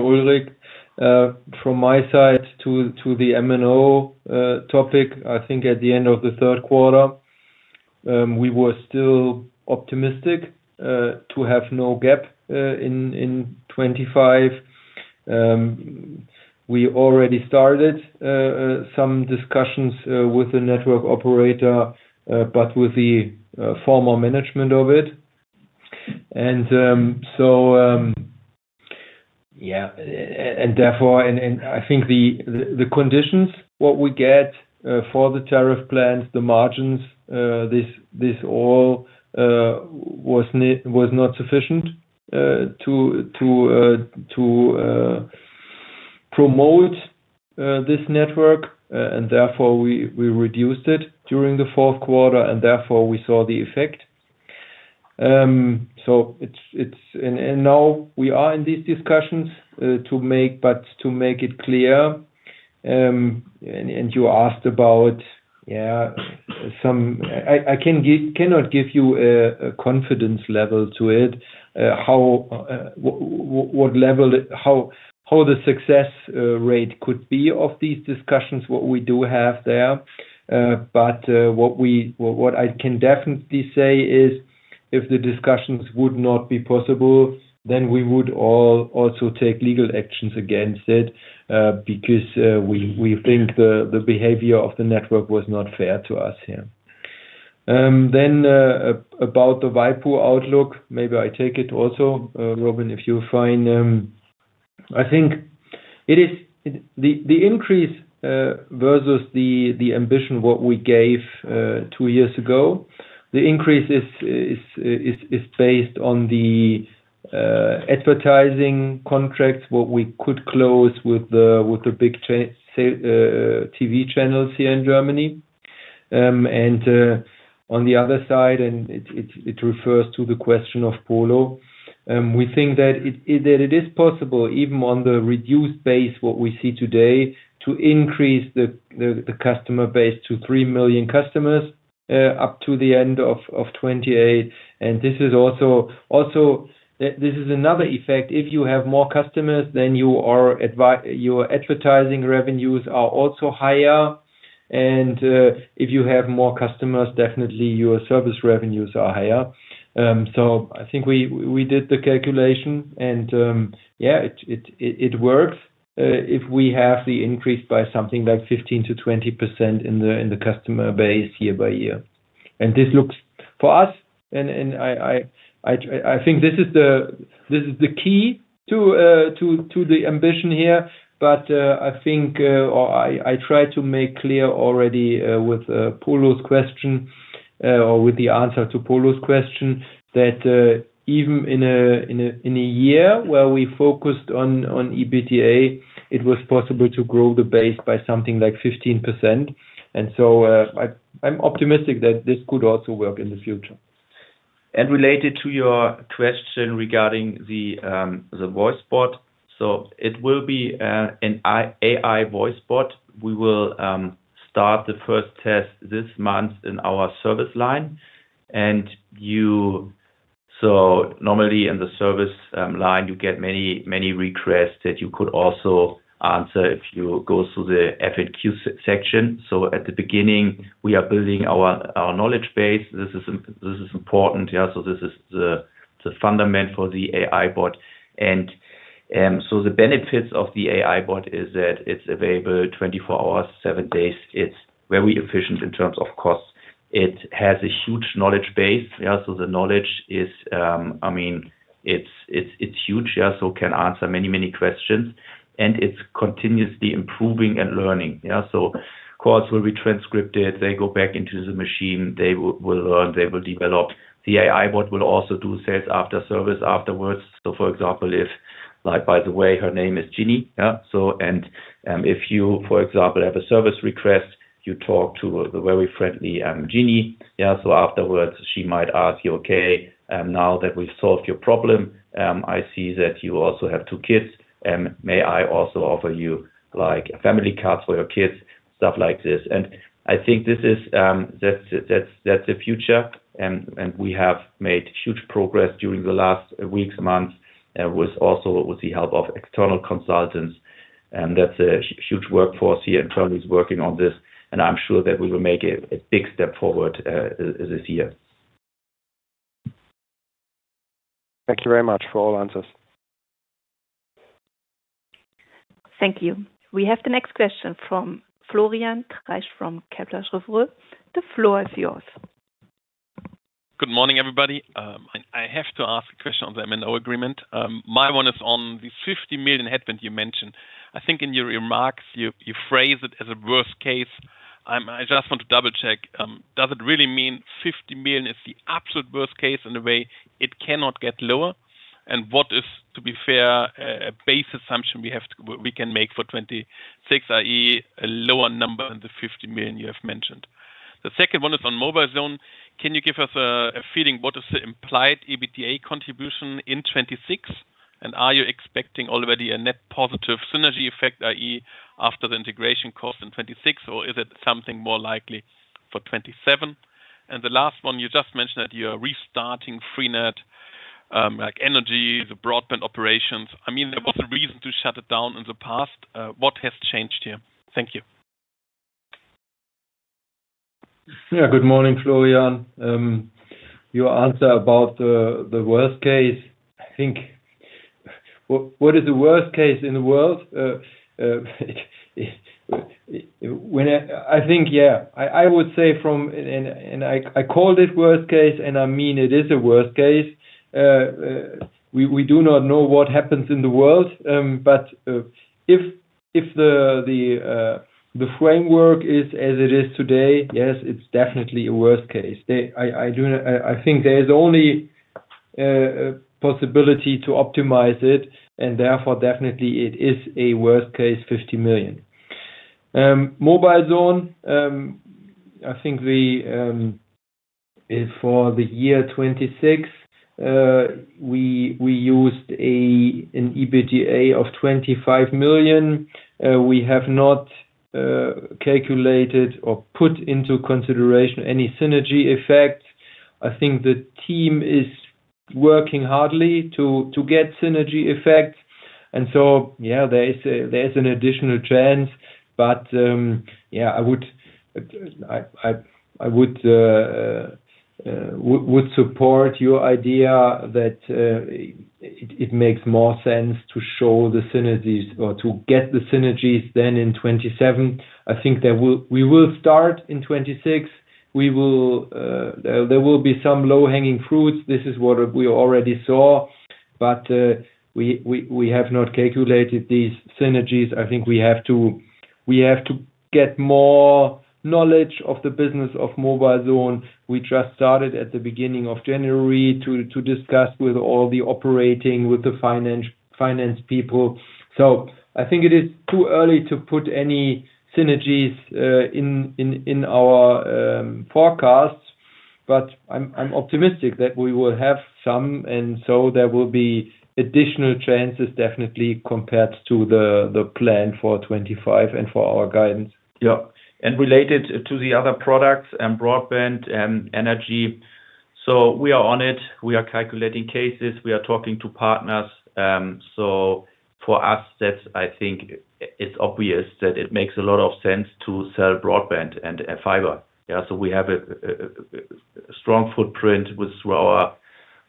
S3: Ulrich. From my side to the MNO topic, I think at the end of the third quarter, we were still optimistic to have no gap in 2025. We already started some discussions with the network operator, but with the former management of it. Therefore, I think the conditions we get for the tariff plans, the margins, this all was not sufficient to promote this network. Therefore, we reduced it during the fourth quarter, and therefore, we saw the effect. It's and now we are in these discussions to make, but to make it clear, and you asked about some... I cannot give you a confidence level to it, how what level, how the success rate could be of these discussions, what we do have there. What I can definitely say is, if the discussions would not be possible, then we would all also take legal actions against it, because we think the behavior of the network was not fair to us, yeah. About the waipu outlook, maybe I take it also, Robin, if you're fine. I think the increase versus the ambition, what we gave two years ago, the increase is based on the advertising contracts, what we could close with the big TV channels here in Germany. On the other side, it refers to the question of Polo. We think that it is possible, even on the reduced base, what we see today, to increase the customer base to 3 million customers up to the end of 2028. This is also another effect. If you have more customers, then your advertising revenues are also higher. If you have more customers, definitely your service revenues are higher. I think we did the calculation, it works if we have the increase by something like 15%-20% in the customer base year by year. For us, I think this is the key to the ambition here. I think or I try to make clear already with Polo's question or with the answer to Polo's question, that even in a year where we focused on EBITDA, it was possible to grow the base by something like 15%. I'm optimistic that this could also work in the future. Related to your question regarding the voice bot. It will be an AI voice bot. We will start the first test this month in our service line. Normally in the service line, you get many, many requests that you could also answer if you go through the FAQ section. At the beginning, we are building our knowledge base. This is important. Yeah, this is the fundament for the AI bot. The benefits of the AI bot is that it's available 24 hours, seven days. It's very efficient in terms of cost. It has a huge knowledge base. Yeah, the knowledge is, I mean, it's huge. Yeah, can answer many, many questions, and it's continuously improving and learning. Yeah, calls will be transcribed. They go back into the machine, they will learn, they will develop. The AI bot will also do sales after service afterwards. For example, if like, by the way, her name is Jenny. If you, for example, have a service request, you talk to the very friendly Jenny. Afterwards, she might ask you, "Okay, now that we've solved your problem, I see that you also have two kids, may I also offer you like a family card for your kids?" Stuff like this. I think this is that's the future, and we have made huge progress during the last weeks, months, with also with the help of external consultants. That's a huge workforce here, internally, is working on this, and I'm sure that we will make a big step forward this year.
S2: Thank you very much for all answers.
S1: Thank you. We have the next question from Florian Treisch from Kepler Cheuvreux. The floor is yours.
S6: Good morning, everybody. I have to ask a question on the MNO agreement. My one is on the 50 million headwind you mentioned. I think in your remarks, you phrased it as a worst case. I just want to double-check, does it really mean 50 million is the absolute worst case in a way it cannot get lower? What is, to be fair, a base assumption we can make for 2026, i.e., a lower number than the 50 million you have mentioned? The second one is on mobilezone. Can you give us a feeling, what is the implied EBITDA contribution in 2026? Are you expecting already a net positive synergy effect, i.e., after the integration cost in 2026, or is it something more likely for 2027? The last one, you just mentioned that you are restarting freenet, like energy, the broadband operations. I mean, there was a reason to shut it down in the past. What has changed here? Thank you.
S3: Yeah. Good morning, Florian. Your answer about the worst case, I think, what is the worst case in the world? I think, yeah, I would say from. I called it worst case, and I mean it is a worst case. We do not know what happens in the world, but if the framework is as it is today, yes, it's definitely a worst case. I do not. I think there is only possibility to optimize it, and therefore, definitely it is a worst case, 50 million. mobilezone, I think we for the year 2026, we used an EBITDA of 25 million. We have not calculated or put into consideration any synergy effect. I think the team is working hardly to get synergy effect. Yeah, there is an additional trend. Yeah, I would support your idea that it makes more sense to show the synergies or to get the synergies than in 2027. I think we will start in 2026. We will, there will be some low-hanging fruits. This is what we already saw, but we have not calculated these synergies. I think we have to get more knowledge of the business of mobilezone. We just started at the beginning of January to discuss with all the operating, with the finance people. I think it is too early to put any synergies in our forecast, but I'm optimistic that we will have some, and so there will be additional chances, definitely, compared to the plan for 2025 and for our guidance.
S2: Related to the other products and broadband and energy, we are on it. We are calculating cases, we are talking to partners. For us, that's I think it's obvious that it makes a lot of sense to sell broadband and fiber. We have a strong footprint with our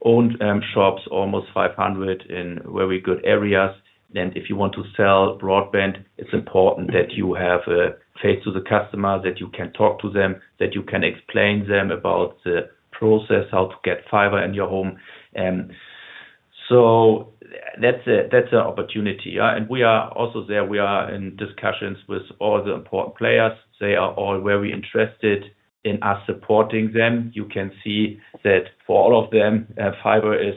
S2: owned shops, almost 500 in very good areas. If you want to sell broadband, it's important that you have a face to the customer, that you can talk to them, that you can explain them about the process, how to get fiber in your home. That's an opportunity. We are also there. We are in discussions with all the important players. They are all very interested in us supporting them. You can see that for all of them, fiber is,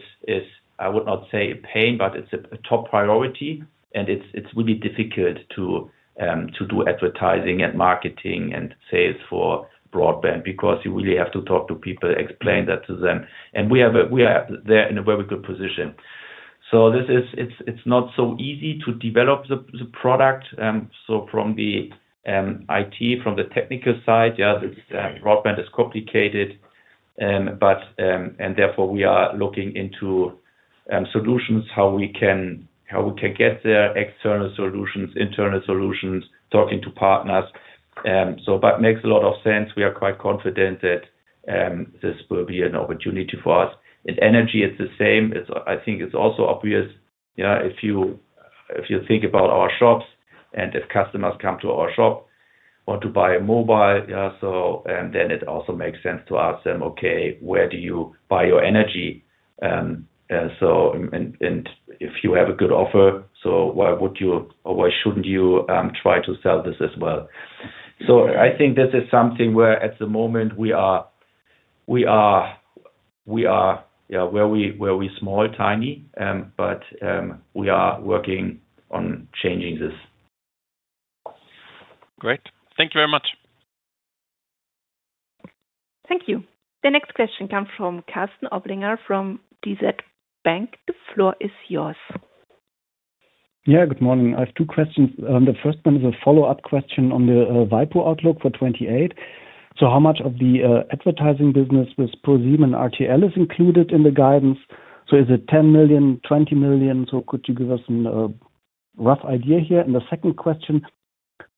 S2: I would not say a pain, but it's a top priority, and it's really difficult to do advertising and marketing and sales for broadband because you really have to talk to people, explain that to them. We are there in a very good position. This is, it's not so easy to develop the product. From the IT, from the technical side, yeah, the broadband is complicated. Therefore, we are looking into solutions, how we can get there, external solutions, internal solutions, talking to partners. That makes a lot of sense. We are quite confident that this will be an opportunity for us. In energy, it's the same. I think it's also obvious, yeah, if you think about our shops and if customers come to our shop or to buy a mobile, then it also makes sense to ask them, "Okay, where do you buy your freenet Energy?" If you have a good offer, why would you or why shouldn't you try to sell this as well? I think this is something where at the moment we are, yeah, very, very small, tiny, but we are working on changing this.
S6: Great. Thank you very much.
S1: Thank you. The next question comes from Karsten Oblinger from DZ Bank. The floor is yours.
S7: Yeah, good morning. I have two questions. The first one is a follow-up question on the waipu outlook for 2028. How much of the advertising business with ProSieben and RTL is included in the guidance? Is it 10 million, 20 million? Could you give us a rough idea here? The second question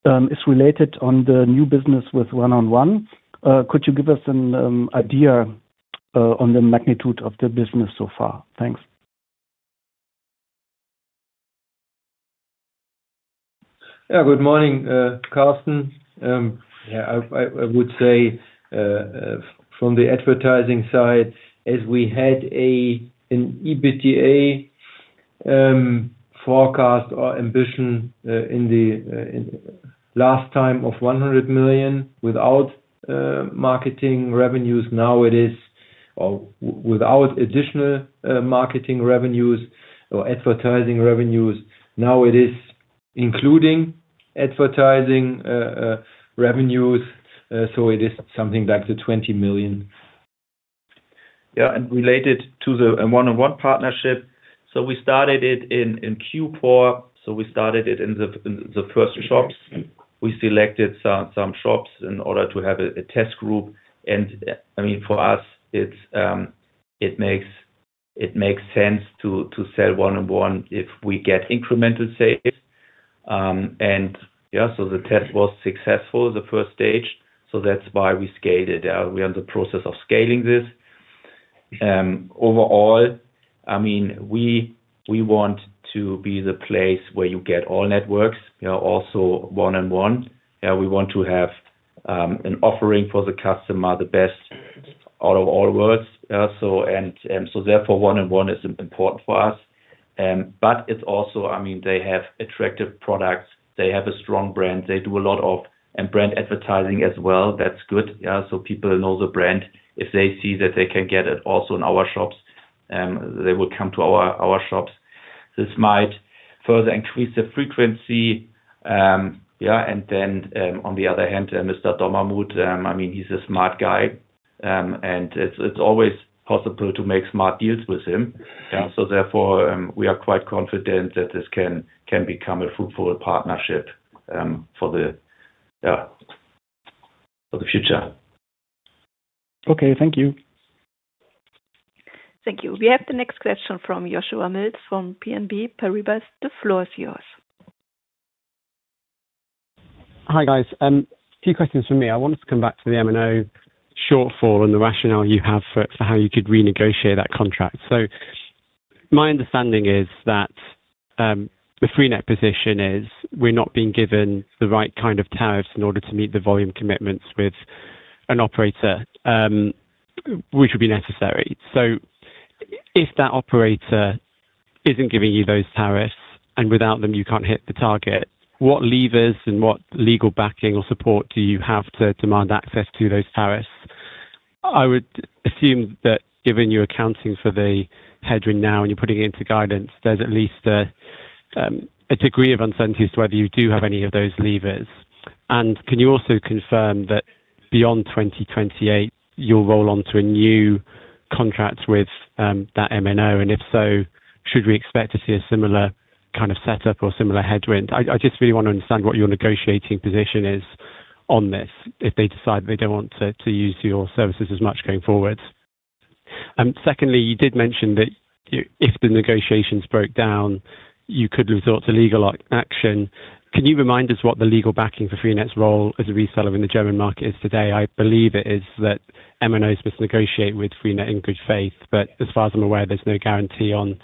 S7: is related on the new business with 1&1. Could you give us an idea on the magnitude of the business so far? Thanks.
S2: Good morning, Karsten. I would say from the advertising side, as we had an EBITDA forecast or ambition in the last time of 100 million without marketing revenues. Without additional marketing revenues or advertising revenues, now it is including advertising revenues, so it is something like 20 million. Related to the 1&1 partnership, we started it in Q4. We started it in the first shops. We selected some shops in order to have a test group. I mean, for us, it makes sense to sell 1&1 if we get incremental sales. The test was successful, the first stage, that's why we scaled it. We are in the process of scaling this. Overall, I mean, we want to be the place where you get all networks, you know, also 1&1. We want to have an offering for the customer, the best out of all worlds. Therefore, 1&1 is important for us. I mean, they have attractive products, they have a strong brand, they do a lot of brand advertising as well. That's good. People know the brand. If they see that they can get it also in our shops, they will come to our shops. This might further increase the frequency. On the other hand, Dommermuth, I mean, he's a smart guy, it's always possible to make smart deals with him. Therefore, we are quite confident that this can become a fruitful partnership for the future.
S7: Okay, thank you.
S1: Thank you. We have the next question from Joshua Mills, from BNP Paribas. The floor is yours.
S8: Hi, guys. A few questions from me. I wanted to come back to the MNO shortfall and the rationale you have for how you could renegotiate that contract. My understanding is that the freenet position is we're not being given the right kind of tariffs in order to meet the volume commitments with an operator, which would be necessary. If that operator isn't giving you those tariffs, and without them, you can't hit the target, what levers and what legal backing or support do you have to demand access to those tariffs? I would assume that given you're accounting for the headwind now and you're putting it into guidance, there's at least a degree of uncertainty as to whether you do have any of those levers. Can you also confirm that beyond 2028, you'll roll on to a new contract with that MNO? If so, should we expect to see a similar kind of setup or similar headwind? I just really want to understand what your negotiating position is on this if they decide they don't want to use your services as much going forward. Secondly, you did mention that you, if the negotiations broke down, you could resort to legal action. Can you remind us what the legal backing for freenet's role as a reseller in the German market is today? I believe it is that MNOs must negotiate with freenet in good faith, but as far as I'm aware, there's no guarantee on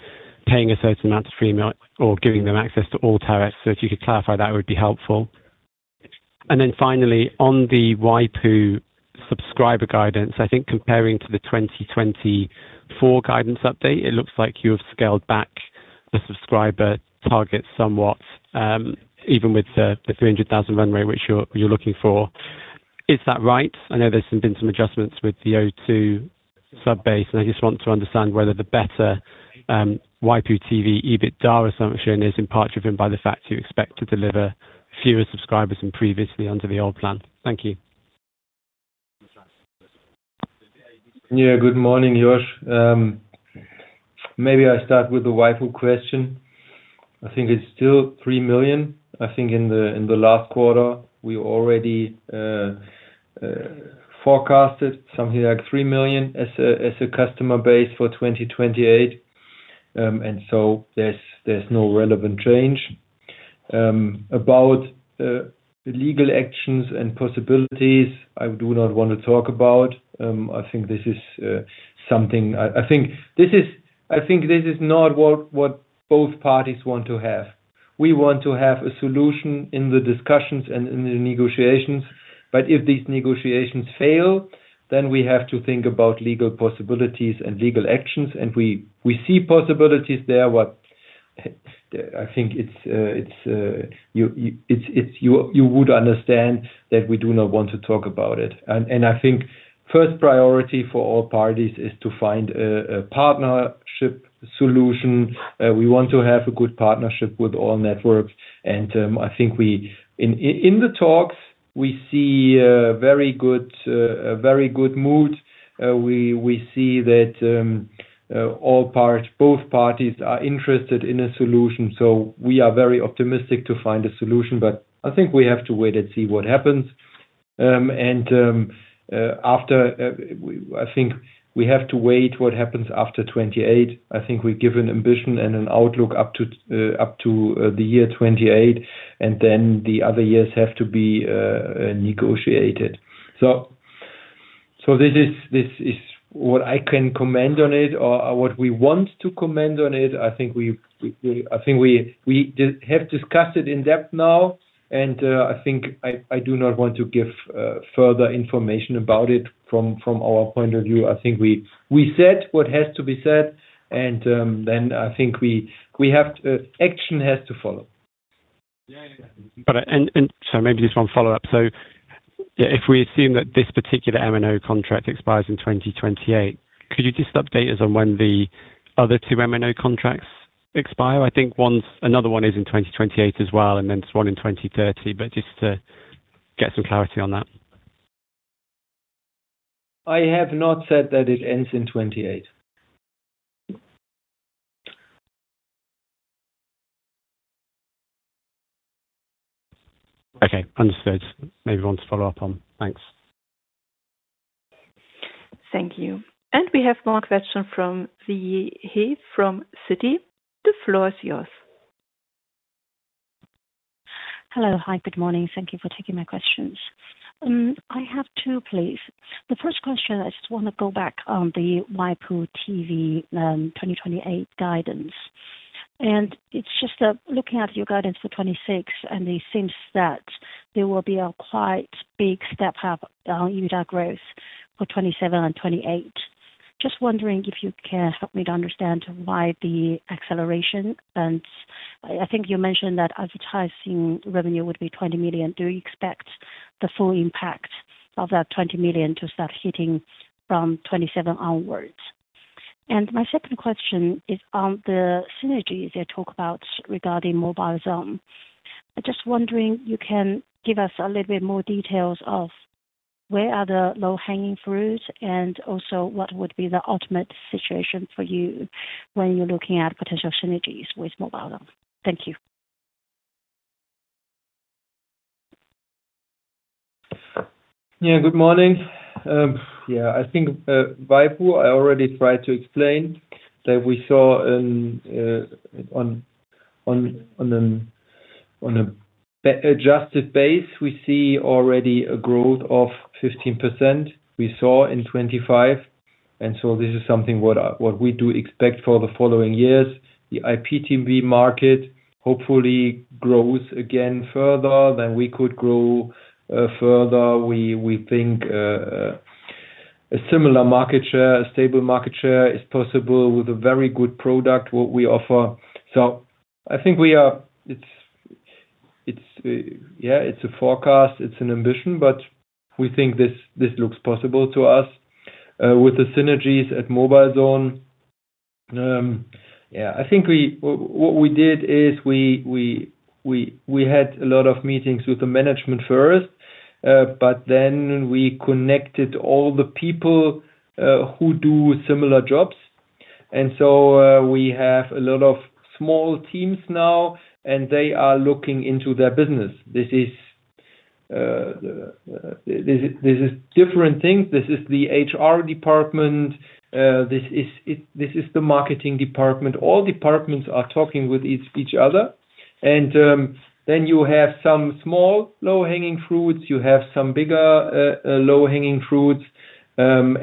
S8: paying a certain amount to freenet or giving them access to all tariffs. If you could clarify, that would be helpful. Finally, on the waipu subscriber guidance, I think comparing to the 2024 guidance update, it looks like you have scaled back the subscriber target somewhat, even with the 300,000 run rate, which you're looking for. Is that right? I know there's been some adjustments with the O2 sub base, and I just want to understand whether the better waipu.tv EBITDA assumption is in part driven by the fact you expect to deliver fewer subscribers than previously under the old plan. Thank you.
S3: Good morning, Josh. Maybe I start with the waipu question. I think it's still 3 million. I think in the last quarter, we already forecasted something like 3 million as a customer base for 2028. There's no relevant change. About the legal actions and possibilities, I do not want to talk about. I think this is something. I think this is not what both parties want to have. We want to have a solution in the discussions and in the negotiations, but if these negotiations fail, then we have to think about legal possibilities and legal actions, and we see possibilities there, but I think it's you would understand that we do not want to talk about it. I think first priority for all parties is to find a partnership solution. We want to have a good partnership with all networks, and I think we In the talks, we see a very good mood. We see that all parts, both parties are interested in a solution. We are very optimistic to find a solution, but I think we have to wait and see what happens. After we, I think we have to wait what happens after 2028. I think we give an ambition and an outlook up to the year 2028, and then the other years have to be negotiated. This is what I can comment on it or what we want to comment on it. I think we have discussed it in depth now, and I think I do not want to give further information about it from our point of view. I think we said what has to be said. I think we have to action has to follow.
S8: Got it. Maybe just one follow-up. If we assume that this particular MNO contract expires in 2028, could you just update us on when the other two MNO contracts expire? I think one, another one is in 2028 as well, there's one in 2030, just to get some clarity on that.
S3: I have not said that it ends in 2028.
S8: Okay, understood. Maybe want to follow up on. Thanks.
S1: Thank you. We have more question from Siyi He from Citi. The floor is yours.
S9: Hello. Hi, good morning. Thank you for taking my questions. I have two, please. The first question, I just want to go back on the waipu.tv 2028 guidance. It's just that looking at your guidance for 2026, it seems that there will be a quite big step up down in that growth for 2027 and 2028. Just wondering if you can help me to understand why the acceleration, I think you mentioned that advertising revenue would be 20 million. Do you expect the full impact of that 20 million to start hitting from 2027 onwards? My second question is on the synergies you talk about regarding mobilezone. I'm just wondering, you can give us a little bit more details of where are the low-hanging fruits, and also what would be the ultimate situation for you when you're looking at potential synergies with mobilezone? Thank you.
S3: Yeah, good morning. Yeah, I think waipu, I already tried to explain that we saw on an adjusted base, we see already a growth of 15% we saw in 2025. This is something what we do expect for the following years. The IPTV market hopefully grows again further, then we could grow further. We think a similar market share, a stable market share is possible with a very good product, what we offer. I think we are, it's, yeah, it's a forecast, it's an ambition, but we think this looks possible to us. With the synergies at mobilezone, yeah, I think what we did is we had a lot of meetings with the management first. We connected all the people who do similar jobs. We have a lot of small teams now, and they are looking into their business. This is different things. This is the HR department, this is the marketing department. All departments are talking with each other. You have some small low-hanging fruits, you have some bigger low-hanging fruits, and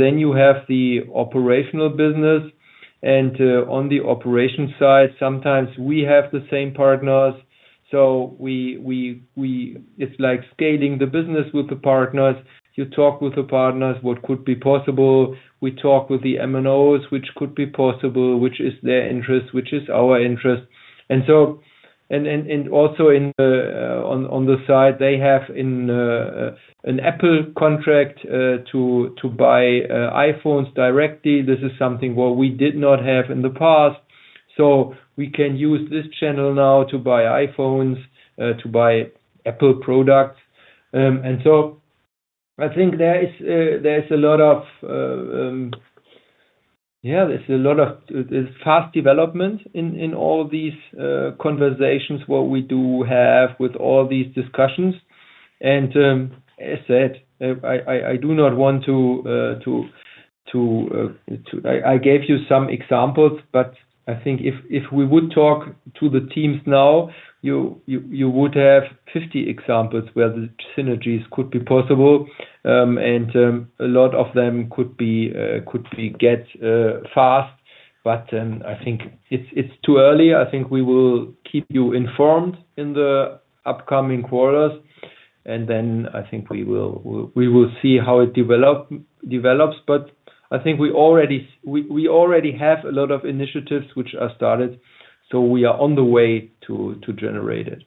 S3: then you have the operational business. On the operation side, sometimes we have the same partners. It's like scaling the business with the partners. You talk with the partners, what could be possible? We talk with the MNOs, which could be possible, which is their interest, which is our interest. Also on the side, they have an Apple contract to buy iPhones directly. This is something what we did not have in the past. We can use this channel now to buy iPhones, to buy Apple products. I think there is a lot of fast development in all these conversations, what we do have with all these discussions. As said, I do not want to I gave you some examples, but I think if we would talk to the teams now, you would have 50 examples where the synergies could be possible. A lot of them could be get fast, but I think it's too early. I think we will keep you informed in the upcoming quarters, I think we will see how it develops. I think we already have a lot of initiatives which are started, so we are on the way to generate it.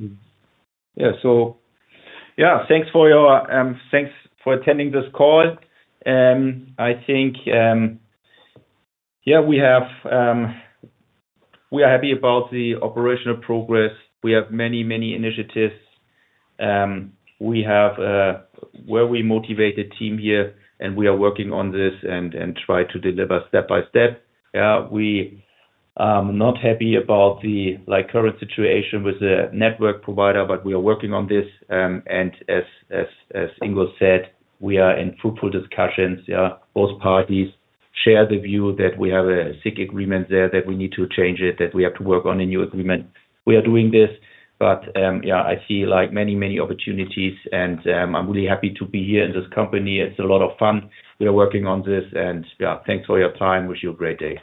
S9: That's clear. Thank you.
S2: Thanks for attending this call. I think, we have, we are happy about the operational progress. We have many initiatives. We have a very motivated team here, and we are working on this and try to deliver step by step. We are not happy about the, like, current situation with the network provider, but we are working on this. As Ingo said, we are in fruitful discussions. Both parties share the view that we have a sick agreement there, that we need to change it, that we have to work on a new agreement. We are doing this. I see like many opportunities, and I'm really happy to be here in this company. It's a lot of fun. We are working on this and, yeah, thanks for your time. Wish you a great day.